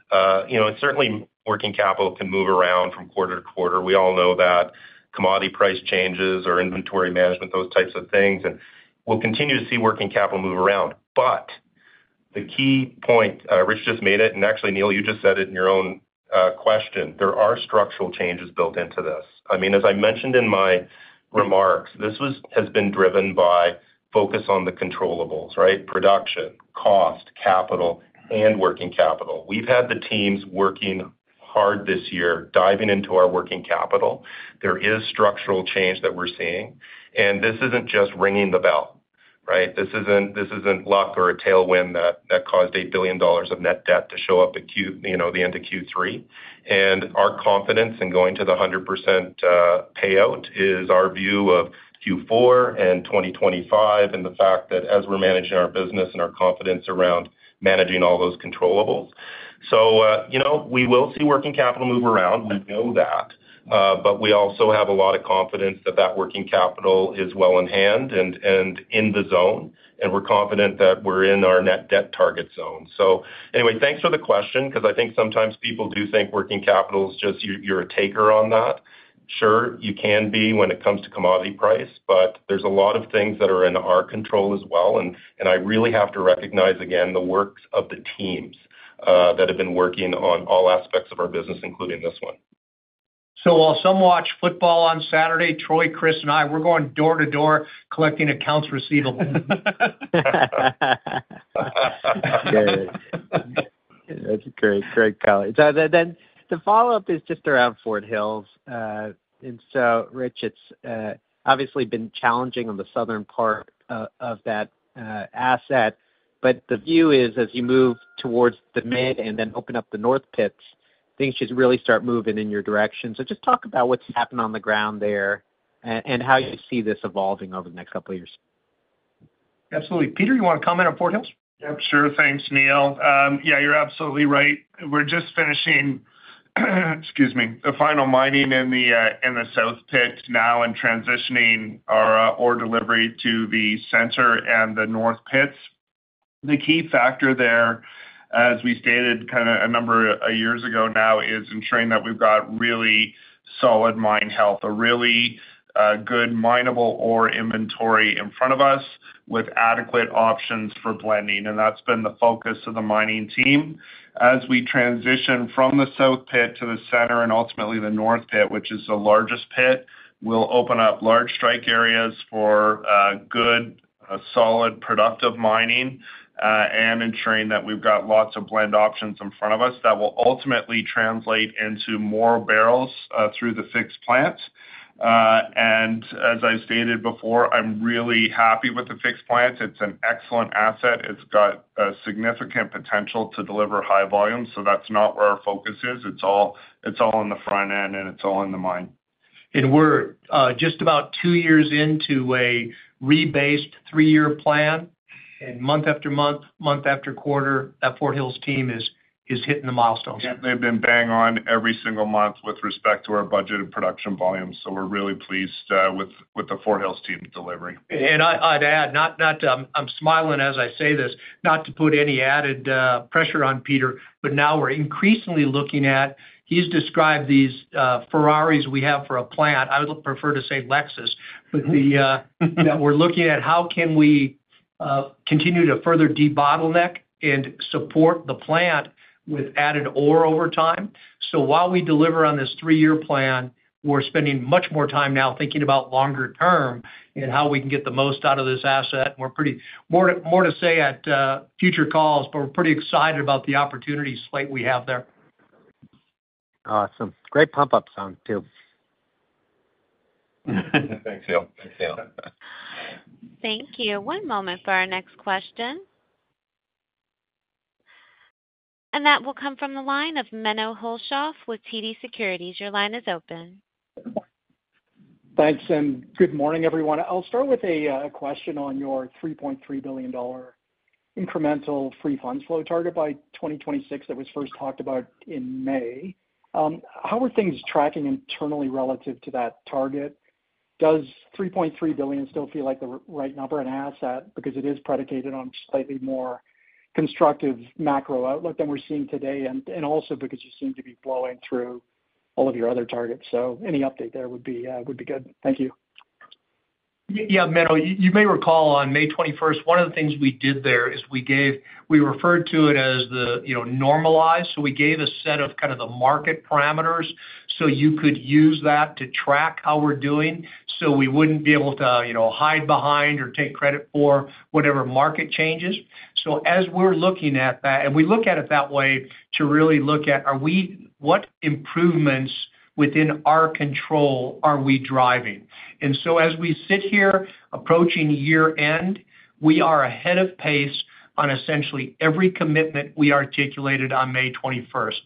certainly working capital can move around from quarter to quarter. We all know that commodity price changes or inventory management, those types of things, and we'll continue to see working capital move around. But the key point, Rich just made it, and actually, Neil, you just said it in your own question. There are structural changes built into this. I mean, as I mentioned in my remarks, this has been driven by focus on the controllables, right? Production, cost, capital, and working capital. We've had the teams working hard this year, diving into our working capital. There is structural change that we're seeing. This isn't just ringing the bell, right? This isn't luck or a tailwind that caused $8 billion of net debt to show up at the end of Q3. Our confidence in going to the 100% payout is our view of Q4 and 2025 and the fact that as we're managing our business and our confidence around managing all those controllables. We will see working capital move around. We know that. But we also have a lot of confidence that that working capital is well in hand and in the zone. We're confident that we're in our net debt target zone. Anyway, thanks for the question because I think sometimes people do think working capital is just you're a taker on that. Sure, you can be when it comes to commodity price, but there's a lot of things that are in our control as well. I really have to recognize, again, the works of the teams that have been working on all aspects of our business, including this one. So while some watch football on Saturday, Troy, Kris, and I, we're going door to door collecting accounts receivable. That's great, great color. Then the follow-up is just around Fort Hills. Rich, it's obviously been challenging on the southern part of that asset. But the view is, as you move towards the mid and then open up the north pits, things should really start moving in your direction. So just talk about what's happened on the ground there and how you see this evolving over the next couple of years. Absolutely. Peter, you want to comment on Fort Hills? Yep, sure. Thanks, Neil. Yeah, you're absolutely right. We're just finishing, excuse me, the final mining in the south pit now and transitioning our ore delivery to the center and the north pits. The key factor there, as we stated kind of a number of years ago now, is ensuring that we've got really solid mine health, a really good minable ore inventory in front of us with adequate options for blending, and that's been the focus of the mining team. As we transition from the south pit to the center and ultimately the north pit, which is the largest pit, we'll open up large strike areas for good, solid, productive mining and ensuring that we've got lots of blend options in front of us that will ultimately translate into more barrels through the fixed plants, and as I stated before, I'm really happy with the fixed plants. It's an excellent asset. It's got significant potential to deliver high volume. So that's not where our focus is. It's all in the front end, and it's all in the mine. And we're just about two years into a rebased three-year plan. And month after month, month after quarter, that Fort Hills team is hitting the milestones. They've been bang on every single month with respect to our budgeted production volume. So we're really pleased with the Fort Hills team's delivery. And I'd add, I'm smiling as I say this, not to put any added pressure on Peter, but now we're increasingly looking at, he's described these Ferraris we have for a plant. I would prefer to say Lexus, but that we're looking at how can we continue to further debottleneck and support the plant with added ore over time. While we deliver on this three-year plan, we're spending much more time now thinking about longer term and how we can get the most out of this asset. And we have more to say at future calls, but we're pretty excited about the opportunity slate we have there. Awesome. Great pump-up song too. Thanks, Neil. Thank you. Thank you. One moment for our next question. And that will come from the line of Menno Hulshof with TD Securities. Your line is open. Thanks. And good morning, everyone. I'll start with a question on your $3.3 billion incremental free funds flow target by 2026 that was first talked about in May. How are things tracking internally relative to that target? Does 3.3 billion still feel like the right number on asset because it is predicated on slightly more constructive macro outlook than we're seeing today? And also because you seem to be blowing through all of your other targets. So any update there would be good. Thank you. Yeah, Menno, you may recall on May 21st, one of the things we did there is we referred to it as the normalized. So we gave a set of kind of the market parameters so you could use that to track how we're doing so we wouldn't be able to hide behind or take credit for whatever market changes. So as we're looking at that, and we look at it that way to really look at what improvements within our control are we driving. And so as we sit here approaching year-end, we are ahead of pace on essentially every commitment we articulated on May 21st.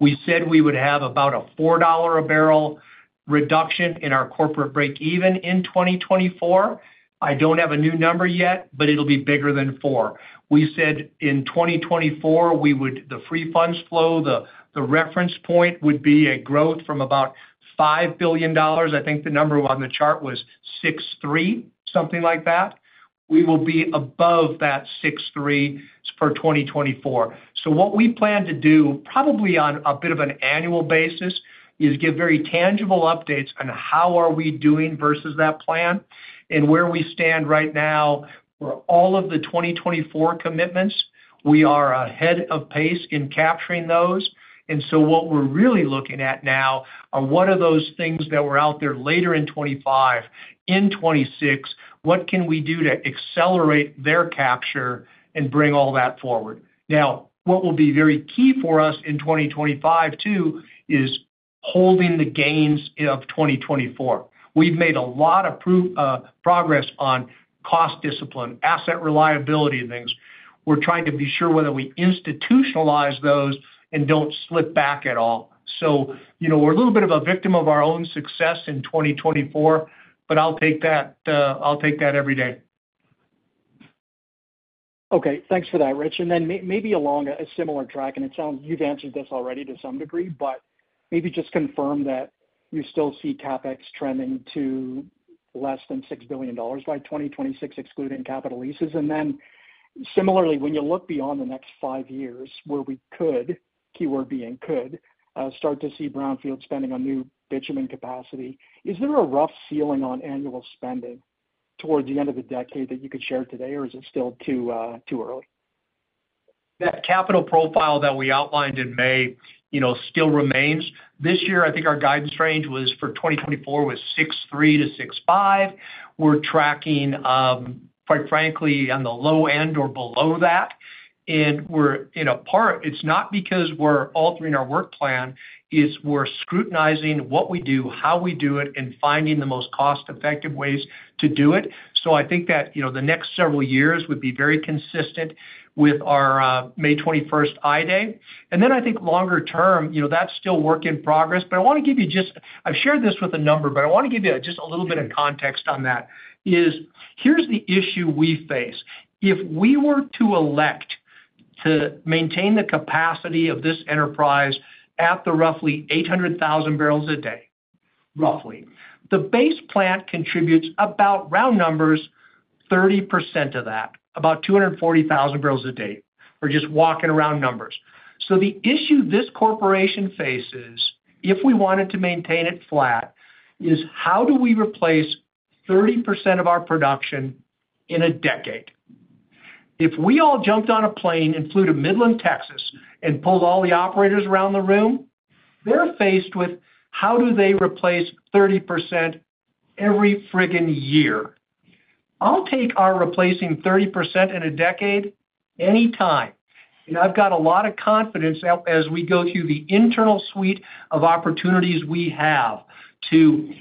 We said we would have about a $4 a barrel reduction in our corporate break-even in 2024. I don't have a new number yet, but it'll be bigger than four. We said in 2024, the free funds flow, the reference point would be a growth from about $5 billion. I think the number on the chart was 6.3, something like that. We will be above that 6.3 for 2024. So what we plan to do, probably on a bit of an annual basis, is give very tangible updates on how are we doing versus that plan and where we stand right now for all of the 2024 commitments. We are ahead of pace in capturing those. And so what we're really looking at now are what are those things that were out there later in 2025, in 2026, what can we do to accelerate their capture and bring all that forward? Now, what will be very key for us in 2025 too is holding the gains of 2024. We've made a lot of progress on cost discipline, asset reliability things. We're trying to be sure whether we institutionalize those and don't slip back at all. So we're a little bit of a victim of our own success in 2024, but I'll take that every day. Okay. Thanks for that, Rich. And then maybe along a similar track, and it sounds you've answered this already to some degree, but maybe just confirm that you still see CapEx trending to less than $6 billion by 2026, excluding capital leases. And then similarly, when you look beyond the next five years, where we could, keyword being could, start to see brownfield spending on new bitumen capacity, is there a rough ceiling on annual spending towards the end of the decade that you could share today, or is it still too early? That capital profile that we outlined in May still remains. This year, I think our guidance range for 2024 was $6.3 billion-$6.5 billion. We're tracking, quite frankly, on the low end or below that. And part, it's not because we're altering our work plan, it's we're scrutinizing what we do, how we do it, and finding the most cost-effective ways to do it. So I think that the next several years would be very consistent with our May 21st I-Day. And then I think longer term, that's still work in progress. But I want to give you just I've shared this with a number, but I want to give you just a little bit of context on that. Here's the issue we face. If we were to elect to maintain the capacity of this enterprise at the roughly 800,000 bbls a day, roughly, the Base Plant contributes about round numbers, 30% of that, about 240,000 bbls a day, or just walking around numbers. So the issue this corporation faces, if we wanted to maintain it flat, is how do we replace 30% of our production in a decade? If we all jumped on a plane and flew to Midland, Texas, and pulled all the operators around the room, they're faced with how do they replace 30% every frigging year? I'll take our replacing 30% in a decade anytime. And I've got a lot of confidence as we go through the internal suite of opportunities we have to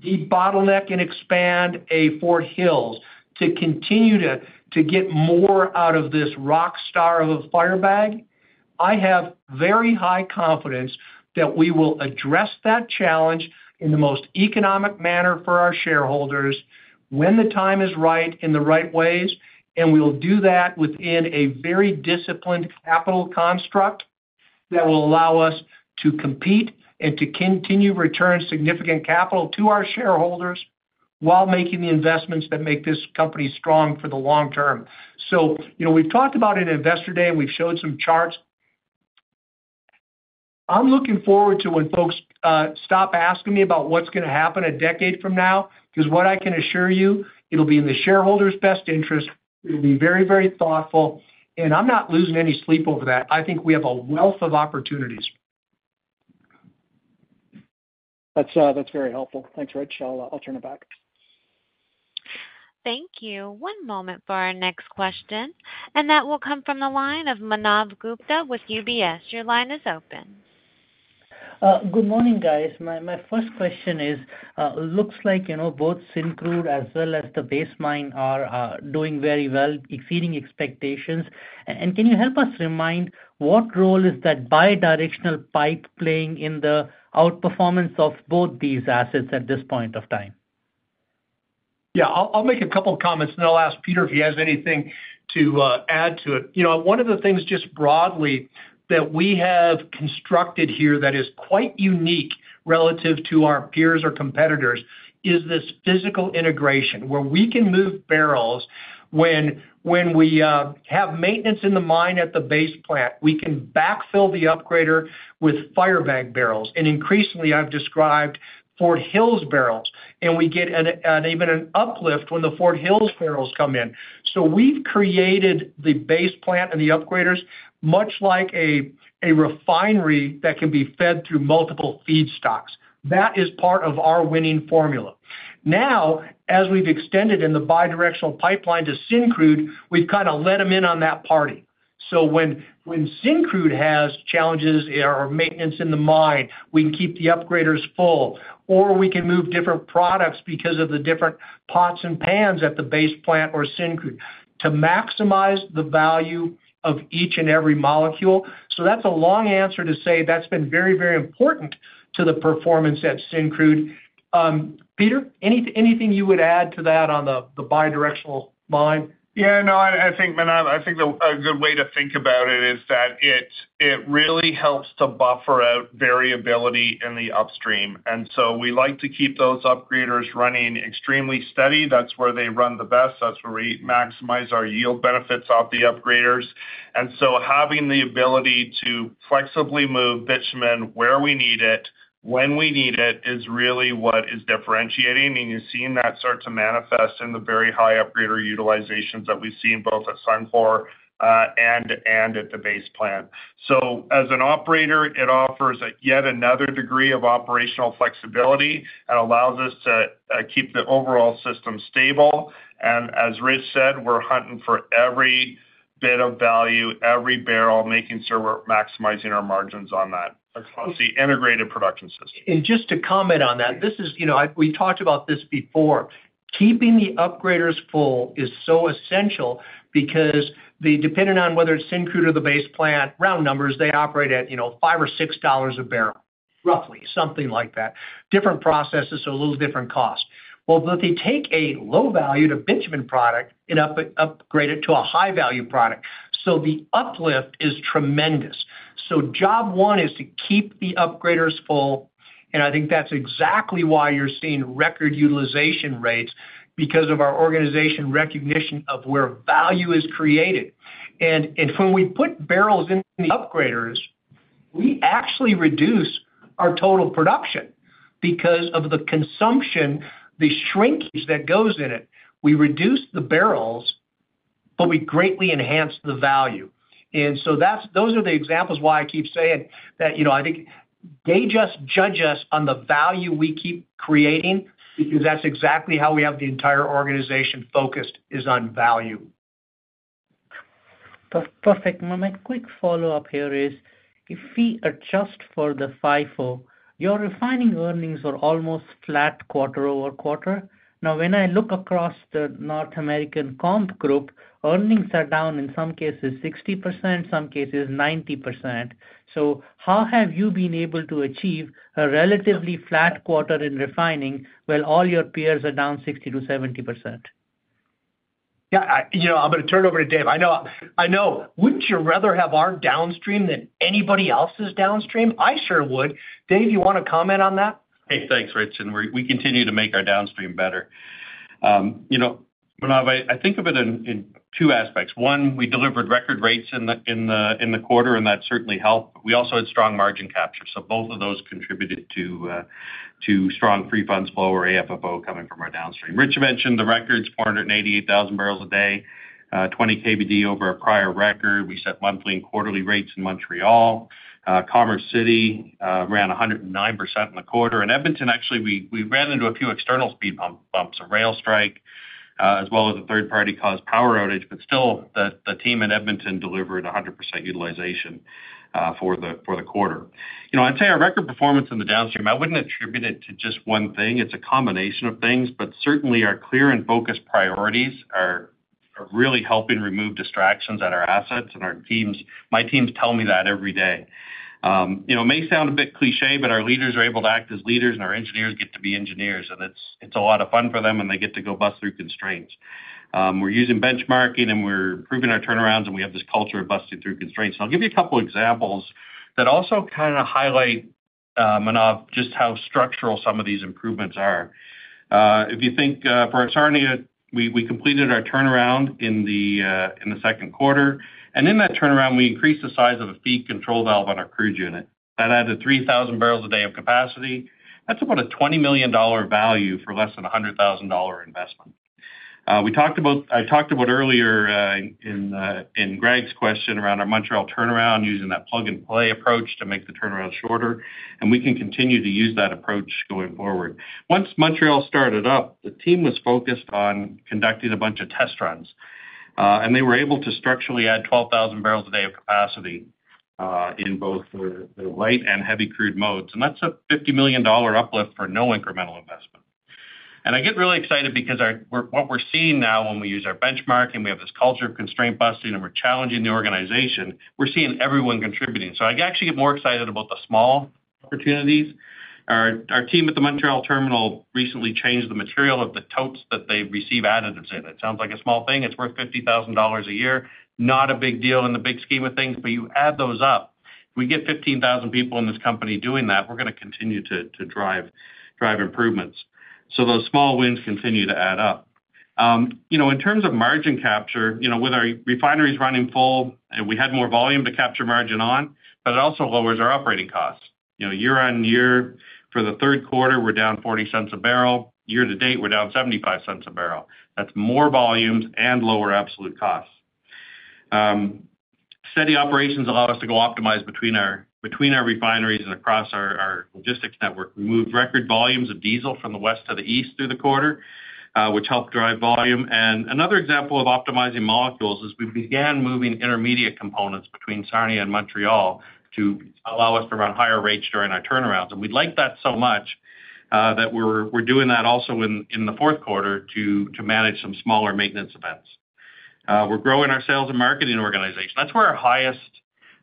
debottleneck and expand Fort Hills to continue to get more out of this rock star of a Firebag. I have very high confidence that we will address that challenge in the most economic manner for our shareholders when the time is right in the right ways. And we'll do that within a very disciplined capital construct that will allow us to compete and to continue return significant capital to our shareholders while making the investments that make this company strong for the long term. So we've talked about it in Investor Day, and we've showed some charts. I'm looking forward to when folks stop asking me about what's going to happen a decade from now because what I can assure you, it'll be in the shareholders' best interest. It'll be very, very thoughtful. And I'm not losing any sleep over that. I think we have a wealth of opportunities. That's very helpful. Thanks, Rich. I'll turn it back. Thank you. One moment for our next question. And that will come from the line of Manav Gupta with UBS. Your line is open. Good morning, guys. My first question is, it looks like both Syncrude as well as the Base Plant are doing very well, exceeding expectations. And can you help us remind what role is that bidirectional pipe playing in the outperformance of both these assets at this point of time? Yeah, I'll make a couple of comments, and then I'll ask Peter if he has anything to add to it. One of the things just broadly that we have constructed here that is quite unique relative to our peers or competitors is this physical integration where we can move barrels. When we have maintenance in the mine at the Base Plant, we can backfill the upgrader with Firebag barrels. And increasingly, I've described Fort Hills barrels. And we get even an uplift when the Fort Hills barrels come in. So we've created the Base Plant and the upgraders much like a refinery that can be fed through multiple feedstocks. That is part of our winning formula. Now, as we've extended in the bidirectional pipeline to Syncrude, we've kind of let them in on that party. So when Syncrude has challenges or maintenance in the mine, we can keep the upgraders full, or we can move different products because of the different pots and pans at the Base Plant or Syncrude to maximize the value of each and every molecule. So that's a long answer to say that's been very, very important to the performance at Syncrude. Peter, anything you would add to that on the bidirectional line? Yeah, no, I think, Manav, I think a good way to think about it is that it really helps to buffer out variability in the upstream. And so we like to keep those upgraders running extremely steady. That's where they run the best. That's where we maximize our yield benefits off the upgraders. And so having the ability to flexibly move bitumen where we need it, when we need it, is really what is differentiating. And you're seeing that start to manifest in the very high upgrader utilizations that we've seen both at Suncor and at the Base Plant. So as an operator, it offers yet another degree of operational flexibility and allows us to keep the overall system stable. And as Rich said, we're hunting for every bit of value, every barrel, making sure we're maximizing our margins on that. That's the integrated production system. And just to comment on that, we talked about this before. Keeping the upgraders full is so essential because depending on whether it's Syncrude or the Base Plant, round numbers, they operate at $5 or $6 a barrel, roughly, something like that. Different processes, so a little different cost. Well, they take a low-valued bitumen product and upgrade it to a high-value product. So the uplift is tremendous. So job one is to keep the upgraders full. And I think that's exactly why you're seeing record utilization rates because of our organization recognition of where value is created. And when we put barrels in the upgraders, we actually reduce our total production because of the consumption, the shrinkage that goes in it. We reduce the barrels, but we greatly enhance the value. And so those are the examples why I keep saying that I think they just judge us on the value we keep creating because that's exactly how we have the entire organization focused is on value. Perfect. My quick follow-up here is, if we adjust for the FIFO, your refining earnings are almost flat quarter over quarter. Now, when I look across the North American comp group, earnings are down in some cases 60%, some cases 90%. So, how have you been able to achieve a relatively flat quarter in refining while all your peers are down 60%-70%? Yeah, I'm going to turn it over to Dave. I know. Wouldn't you rather have our downstream than anybody else's downstream? I sure would. Dave, you want to comment on that? Hey, thanks, Rich, and we continue to make our downstream better. Manav, I think of it in two aspects. One, we delivered record rates in the quarter, and that certainly helped. We also had strong margin capture, so both of those contributed to strong free funds flow or AFFO coming from our downstream. Rich mentioned the records: 488,000 bbls a day, 20 KBD over a prior record. We set monthly and quarterly rates in Montreal. Commerce City ran 109% in the quarter. In Edmonton, actually, we ran into a few external speed bumps, a rail strike, as well as a third-party caused power outage. But still, the team in Edmonton delivered 100% utilization for the quarter. I'd say our record performance in the downstream, I wouldn't attribute it to just one thing. It's a combination of things, but certainly our clear and focused priorities are really helping remove distractions at our assets. And my teams tell me that every day. It may sound a bit cliché, but our leaders are able to act as leaders, and our engineers get to be engineers. And it's a lot of fun for them, and they get to go bust through constraints. We're using benchmarking, and we're improving our turnarounds, and we have this culture of busting through constraints. I'll give you a couple of examples that also kind of highlight, Manav, just how structural some of these improvements are. If you think for Sarnia, we completed our turnaround in the second quarter. And in that turnaround, we increased the size of a feed control valve on our crude unit. That added 3,000 bbls a day of capacity. That's about a $20 million value for less than a $100,000 investment. I talked about earlier in Greg's question around our Montreal turnaround using that plug-and-play approach to make the turnaround shorter. And we can continue to use that approach going forward. Once Montreal started up, the team was focused on conducting a bunch of test runs. And they were able to structurally add 12,000 bbls a day of capacity in both the light and heavy crude modes. And that's a $50 million uplift for no incremental investment. I get really excited because what we're seeing now when we use our benchmarking, we have this culture of constraint busting, and we're challenging the organization. We're seeing everyone contributing. So I actually get more excited about the small opportunities. Our team at the Montreal terminal recently changed the material of the totes that they receive additives in. It sounds like a small thing. It's worth $50,000 a year. Not a big deal in the big scheme of things, but you add those up. If we get 15,000 people in this company doing that, we're going to continue to drive improvements. So those small wins continue to add up. In terms of margin capture, with our refineries running full, we had more volume to capture margin on, but it also lowers our operating costs. Year on year, for the third quarter, we're down $0.40 a barrel. Year to date, we're down $0.75 a barrel. That's more volumes and lower absolute costs. Steady operations allow us to go optimize between our refineries and across our logistics network. We moved record volumes of diesel from the west to the east through the quarter, which helped drive volume. And another example of optimizing molecules is we began moving intermediate components between Sarnia and Montreal to allow us to run higher rates during our turnarounds. And we like that so much that we're doing that also in the fourth quarter to manage some smaller maintenance events. We're growing our sales and marketing organization. That's where our highest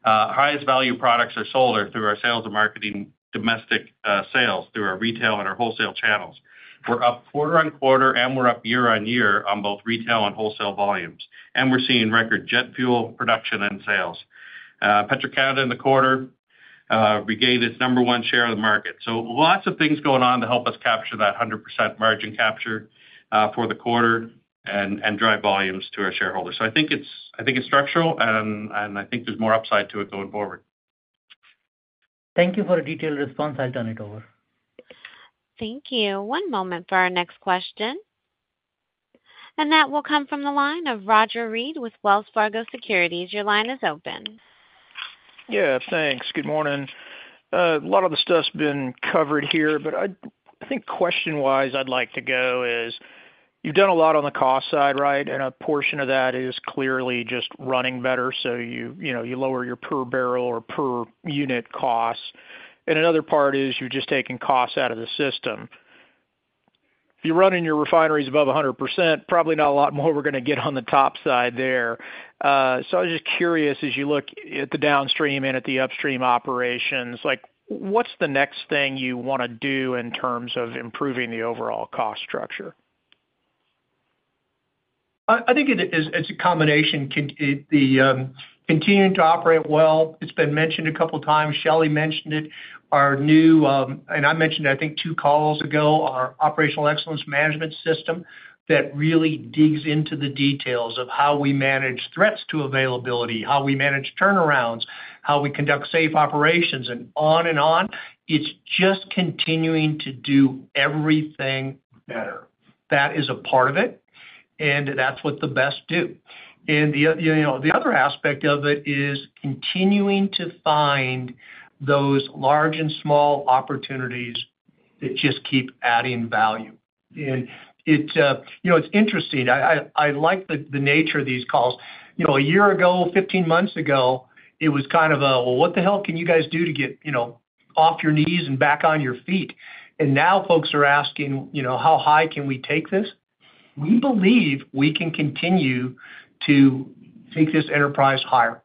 value products are sold are through our sales and marketing domestic sales, through our retail and our wholesale channels. We're up quarter on quarter, and we're up year on year on both retail and wholesale volumes. And we're seeing record jet fuel production and sales. Petro-Canada in the quarter regained its number one share of the market. So lots of things going on to help us capture that 100% margin capture for the quarter and drive volumes to our shareholders. So I think it's structural, and I think there's more upside to it going forward. Thank you for a detailed response. I'll turn it over. Thank you. One moment for our next question. And that will come from the line of Roger Read with Wells Fargo Securities. Your line is open. Yeah, thanks. Good morning. A lot of the stuff's been covered here, but I think question-wise, I'd like to go is you've done a lot on the cost side, right? And a portion of that is clearly just running better. So you lower your per barrel or per unit cost. And another part is you're just taking costs out of the system. If you're running your refineries above 100%, probably not a lot more we're going to get on the top side there. So I was just curious as you look at the downstream and at the upstream operations, what's the next thing you want to do in terms of improving the overall cost structure? I think it's a combination. Continuing to operate well. It's been mentioned a couple of times. Shelley mentioned it. And I mentioned it, I think, two calls ago, our operational excellence management system that really digs into the details of how we manage threats to availability, how we manage turnarounds, how we conduct safe operations, and on and on. It's just continuing to do everything better. That is a part of it, and that's what the best do. And the other aspect of it is continuing to find those large and small opportunities that just keep adding value. And it's interesting. I like the nature of these calls. A year ago, 15 months ago, it was kind of a, "Well, what the hell can you guys do to get off your knees and back on your feet?" And now folks are asking, "How high can we take this?" We believe we can continue to take this enterprise higher.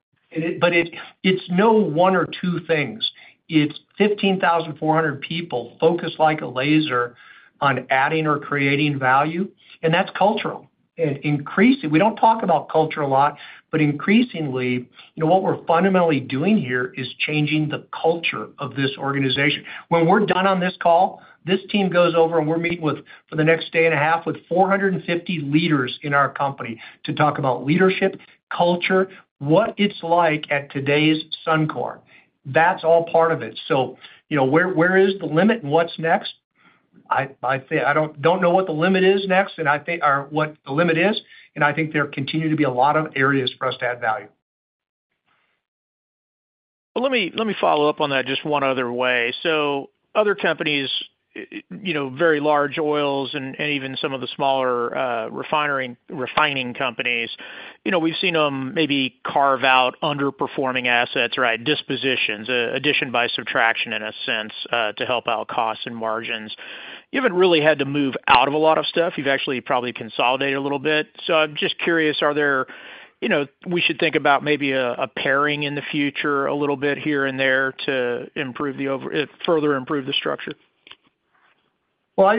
But it's no one or two things. It's 15,400 people focused like a laser on adding or creating value. And that's cultural. We don't talk about culture a lot, but increasingly, what we're fundamentally doing here is changing the culture of this organization. When we're done on this call, this team goes over, and we're meeting for the next day and a half with 450 leaders in our company to talk about leadership, culture, what it's like at today's Suncor. That's all part of it, so where is the limit and what's next? I don't know what the limit is next and what the limit is, and I think there continue to be a lot of areas for us to add value. well, let me follow up on that just one other way, so other companies, very large oils and even some of the smaller refining companies, we've seen them maybe carve out underperforming assets, right? Dispositions, addition by subtraction in a sense to help out costs and margins. You haven't really had to move out of a lot of stuff. You've actually probably consolidated a little bit. So I'm just curious, we should think about maybe a pairing in the future a little bit here and there to further improve the structure. Well,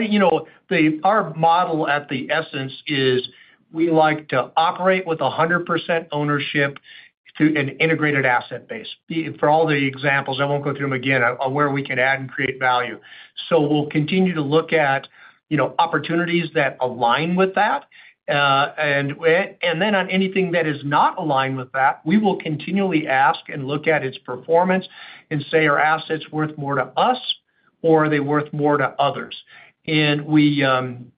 our model at the essence is we like to operate with 100% ownership through an integrated asset base. For all the examples, I won't go through them again, where we can add and create value. So we'll continue to look at opportunities that align with that. And then on anything that is not aligned with that, we will continually ask and look at its performance and say, "Are assets worth more to us, or are they worth more to others?" And we haven't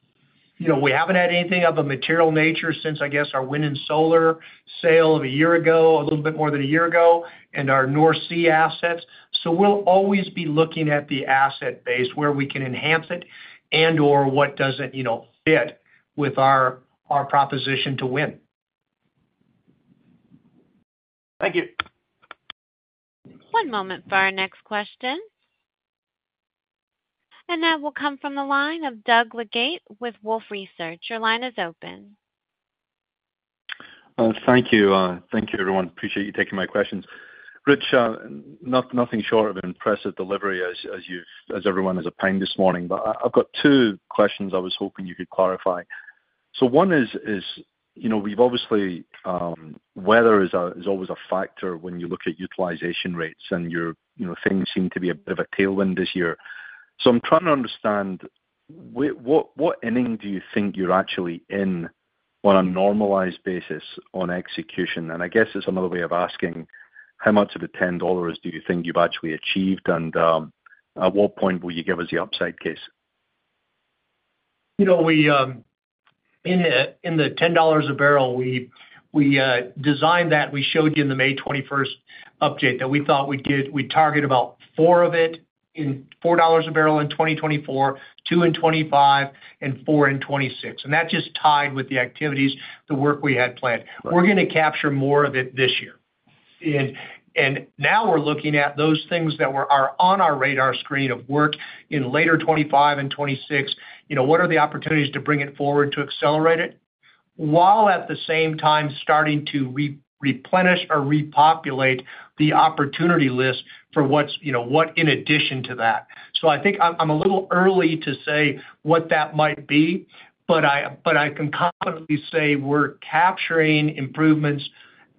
had anything of a material nature since, I guess, our wind and solar sale of a year ago, a little bit more than a year ago, and our North Sea assets. So we'll always be looking at the asset base where we can enhance it and/or what doesn't fit with our proposition to win. Thank you. One moment for our next question. And that will come from the line of Doug Leggate with Wolfe Research. Your line is open. Thank you. Thank you, everyone. Appreciate you taking my questions. Rich, nothing short of an impressive delivery as everyone has opined this morning. But I've got two questions I was hoping you could clarify. So one is we've obviously, weather is always a factor when you look at utilization rates, and things seem to be a bit of a tailwind this year. So I'm trying to understand what inning do you think you're actually in on a normalized basis on execution? I guess it's another way of asking how much of the $10 do you think you've actually achieved, and at what point will you give us the upside case? In the $10 a barrel, we designed that. We showed you in the May 21st update that we thought we'd target about four of it in $4 a barrel in 2024, two in 2025, and four in 2026. That just tied with the activities, the work we had planned. We're going to capture more of it this year. Now we're looking at those things that are on our radar screen of work in later 2025 and 2026. What are the opportunities to bring it forward to accelerate it while at the same time starting to replenish or repopulate the opportunity list for what's in addition to that? So I think I'm a little early to say what that might be, but I can confidently say we're capturing improvements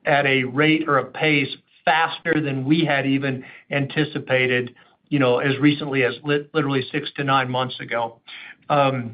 at a rate or a pace faster than we had even anticipated as recently as literally six to nine months ago. And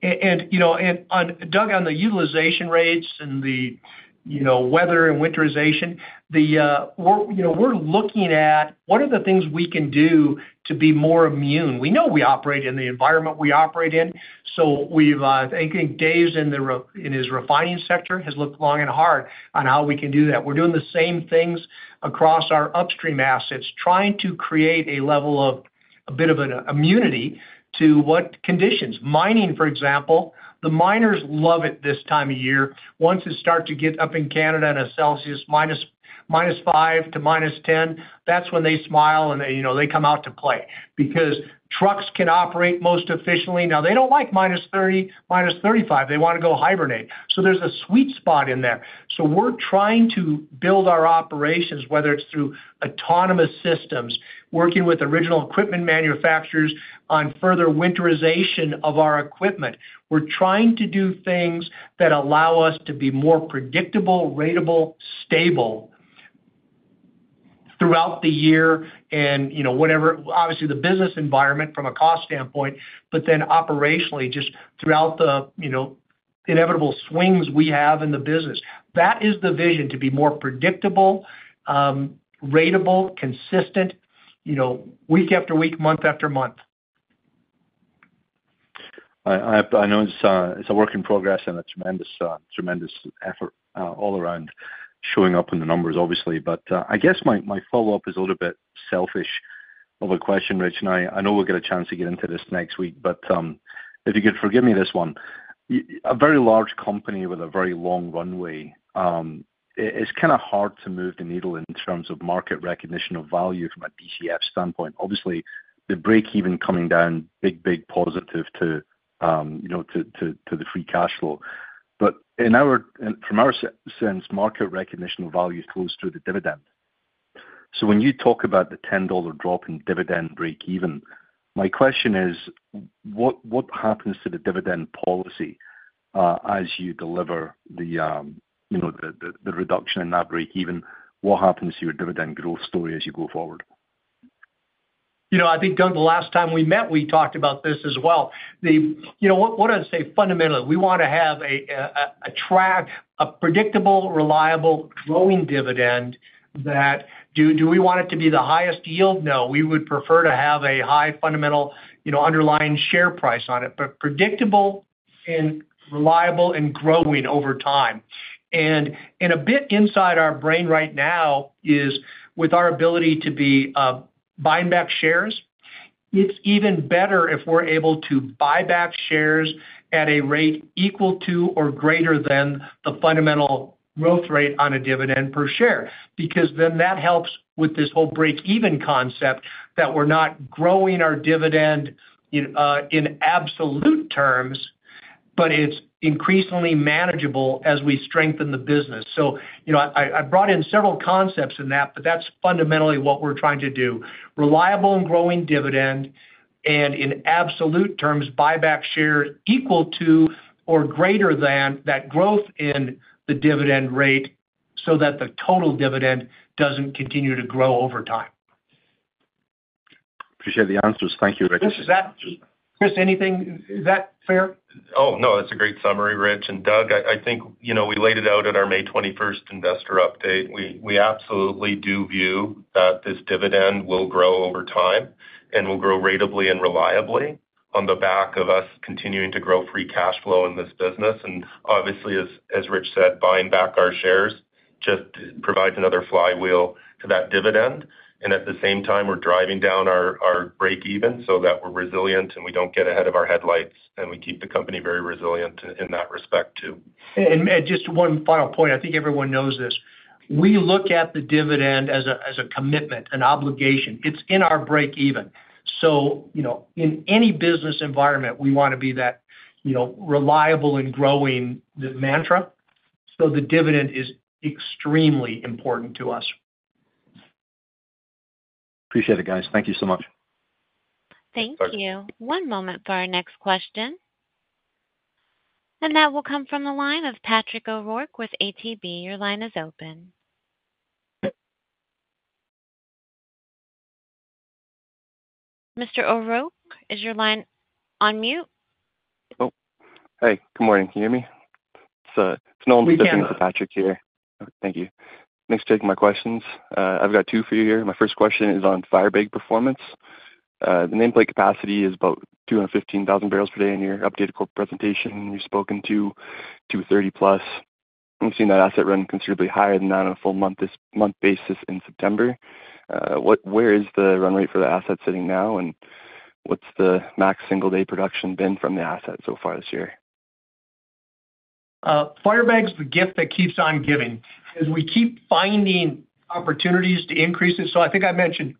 Doug, on the utilization rates and the weather and winterization, we're looking at what are the things we can do to be more immune. We know we operate in the environment we operate in. So I think Dave in his refining sector has looked long and hard on how we can do that. We're doing the same things across our upstream assets, trying to create a level of a bit of an immunity to what conditions. Mining, for example, the miners love it this time of year. Once it starts to get up in Canada and at minus 5 to minus 10 degrees Celsius, that's when they smile and they come out to play because trucks can operate most efficiently. Now, they don't like minus 30, minus 35. They want to go hibernate. So there's a sweet spot in there. So we're trying to build our operations, whether it's through autonomous systems, working with original equipment manufacturers on further winterization of our equipment. We're trying to do things that allow us to be more predictable, ratable, stable throughout the year and, obviously, the business environment from a cost standpoint, but then operationally, just throughout the inevitable swings we have in the business. That is the vision: to be more predictable, ratable, consistent week after week, month after month. I know it's a work in progress and a tremendous effort all around showing up in the numbers, obviously. But I guess my follow-up is a little bit selfish of a question, Rich. And I know we'll get a chance to get into this next week, but if you could forgive me this one. A very large company with a very long runway, it's kind of hard to move the needle in terms of market recognition of value from a DCF standpoint. Obviously, the break-even coming down, big, big positive to the free cash flow. But from our sense, market recognition of value flows through the dividend. So when you talk about the $10 drop in dividend break-even, my question is, what happens to the dividend policy as you deliver the reduction in that break-even? What happens to your dividend growth story as you go forward? I think, Doug, the last time we met, we talked about this as well. What I'd say fundamentally, we want to have a track, a predictable, reliable, growing dividend. That do we want it to be the highest yield? No. We would prefer to have a high fundamental underlying share price on it, but predictable and reliable and growing over time. And a bit inside our brain right now is with our ability to be buying back shares. It's even better if we're able to buy back shares at a rate equal to or greater than the fundamental growth rate on a dividend per share because then that helps with this whole break-even concept that we're not growing our dividend in absolute terms, but it's increasingly manageable as we strengthen the business. So I brought in several concepts in that, but that's fundamentally what we're trying to do: reliable and growing dividend and, in absolute terms, buyback shares equal to or greater than that growth in the dividend rate so that the total dividend doesn't continue to grow over time. Appreciate the answers. Thank you, Rich. Kris, anything? Is that fair? Oh, no. That's a great summary, Rich. And Doug, I think we laid it out at our May 21st investor update. We absolutely do view that this dividend will grow over time and will grow ratably and reliably on the back of us continuing to grow free cash flow in this business. And obviously, as Rich said, buying back our shares just provides another flywheel to that dividend. And at the same time, we're driving down our break-even so that we're resilient and we don't get ahead of our headlights, and we keep the company very resilient in that respect too. Just one final point. I think everyone knows this. We look at the dividend as a commitment, an obligation. It's in our break-even. In any business environment, we want to be that reliable and growing mantra. The dividend is extremely important to us. Appreciate it, guys. Thank you so much. Thank you. One moment for our next question. That will come from the line of Patrick O'Rourke with ATB. Your line is open. Mr. O'Rourke, is your line on mute? Hey. Good morning. Can you hear me? It's Nolan Akins for Patrick here. Thank you. Thanks for taking my questions. I've got two for you here. My first question is on Firebag performance. The nameplate capacity is about 215,000 bbls per day in your updated corporate presentation. You've spoken to 230 plus. We've seen that asset run considerably higher than that on a full month-basis in September. Where is the run rate for the asset sitting now, and what's the max single-day production been from the asset so far this year? Firebag's the gift that keeps on giving as we keep finding opportunities to increase it. So I think I mentioned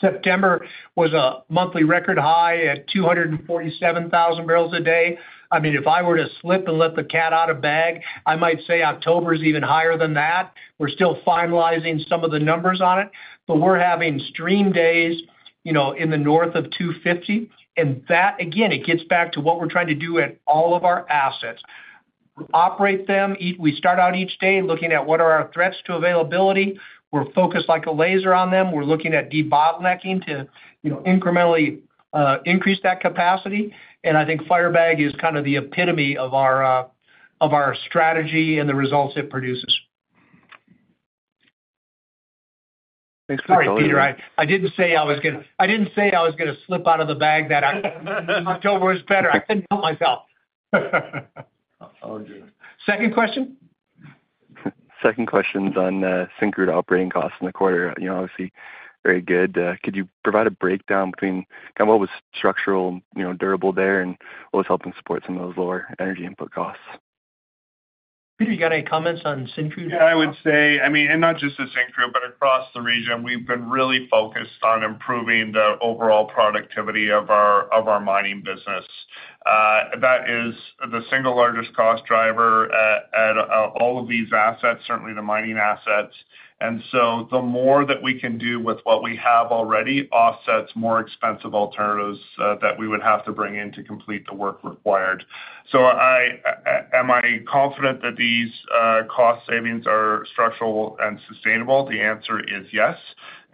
September was a monthly record high at 247,000 bbls a day. I mean, if I were to slip and let the cat out of bag, I might say October is even higher than that. We're still finalizing some of the numbers on it, but we're having steam days in the north of 250. And that, again, it gets back to what we're trying to do at all of our assets. We operate them. We start out each day looking at what are our threats to availability. We're focused like a laser on them. We're looking at debottlenecking to incrementally increase that capacity. And I think Firebag is kind of the epitome of our strategy and the results it produces. Thanks for the color. Sorry Peter. I didn't say I was going to let the cat out of the bag that October was better. I couldn't help myself. Second question? Second question's on Syncrude operating costs in the quarter. Obviously, very good. Could you provide a breakdown between kind of what was structural and durable there and what was helping support some of those lower energy input costs? Peter, you got any comments on Syncrude? Yeah, I would say, I mean, and not just the Syncrude, but across the region, we've been really focused on improving the overall productivity of our mining business. That is the single largest cost driver at all of these assets, certainly the mining assets. And so the more that we can do with what we have already offsets more expensive alternatives that we would have to bring in to complete the work required. So am I confident that these cost savings are structural and sustainable? The answer is yes.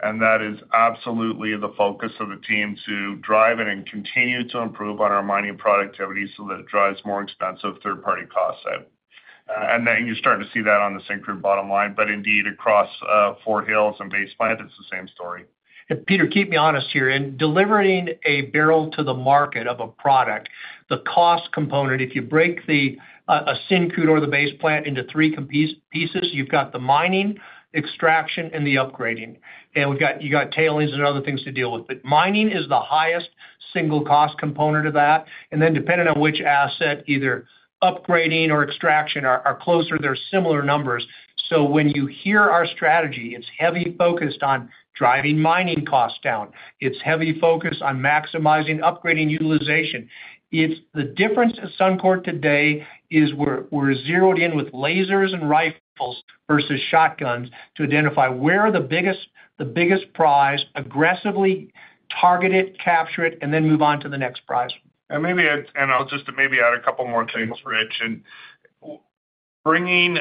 And that is absolutely the focus of the team to drive and continue to improve on our mining productivity so that it drives more expensive third-party cost savings. And then you start to see that on the Syncrude bottom line. But indeed, across Fort Hills and Base Plant, it's the same story. Peter, keep me honest here. In delivering a barrel to the market of a product, the cost component, if you break a Syncrude or the Base Plant into three pieces, you've got the mining, extraction, and the upgrading. And you've got tailings and other things to deal with. But mining is the highest single cost component of that. And then depending on which asset, either upgrading or extraction are closer, they're similar numbers. So when you hear our strategy, it's heavy focused on driving mining costs down. It's heavy focused on maximizing upgrading utilization. The difference at Suncor today is we're zeroed in with lasers and rifles versus shotguns to identify where the biggest prize, aggressively target it, capture it, and then move on to the next prize. And I'll just maybe add a couple more things, Rich. Bringing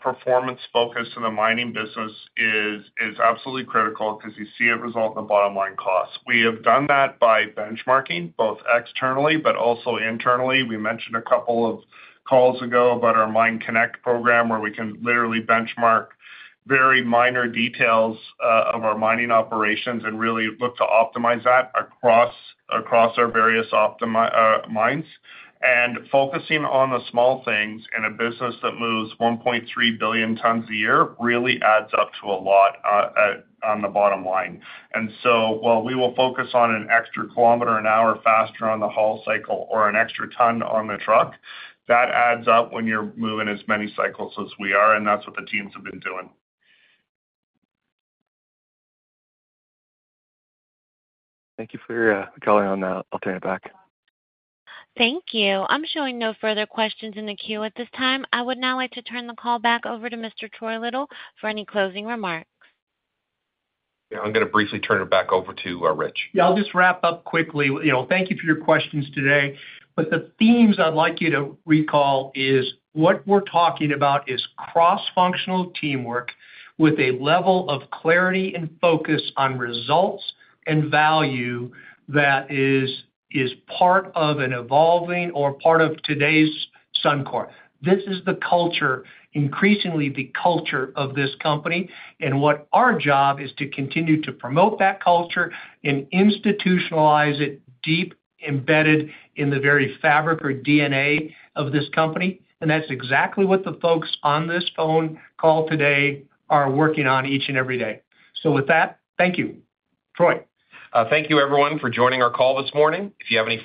performance focus to the mining business is absolutely critical because you see it result in the bottom line costs. We have done that by benchmarking both externally but also internally. We mentioned a couple of calls ago about our MineConnect program where we can literally benchmark very minor details of our mining operations and really look to optimize that across our various mines. Focusing on the small things in a business that moves 1.3 billion tons a year really adds up to a lot on the bottom line. So while we will focus on an extra kilometer an hour faster on the haul cycle or an extra ton on the truck, that adds up when you're moving as many cycles as we are. That's what the teams have been doing. Thank you for your color on that. I'll turn it back. Thank you. I'm showing no further questions in the queue at this time. I would now like to turn the call back over to Mr. Troy Little for any closing remarks. Yeah. I'm going to briefly turn it back over to Rich. Yeah. I'll just wrap up quickly. Thank you for your questions today. But the themes I'd like you to recall is what we're talking about is cross-functional teamwork with a level of clarity and focus on results and value that is part of an evolving or part of today's Suncor. This is the culture, increasingly the culture of this company. And what our job is to continue to promote that culture and institutionalize it deep embedded in the very fabric or DNA of this company. And that's exactly what the folks on this phone call today are working on each and every day. So with that, thank you. Troy. Thank you, everyone, for joining our call this morning. If you have any questions.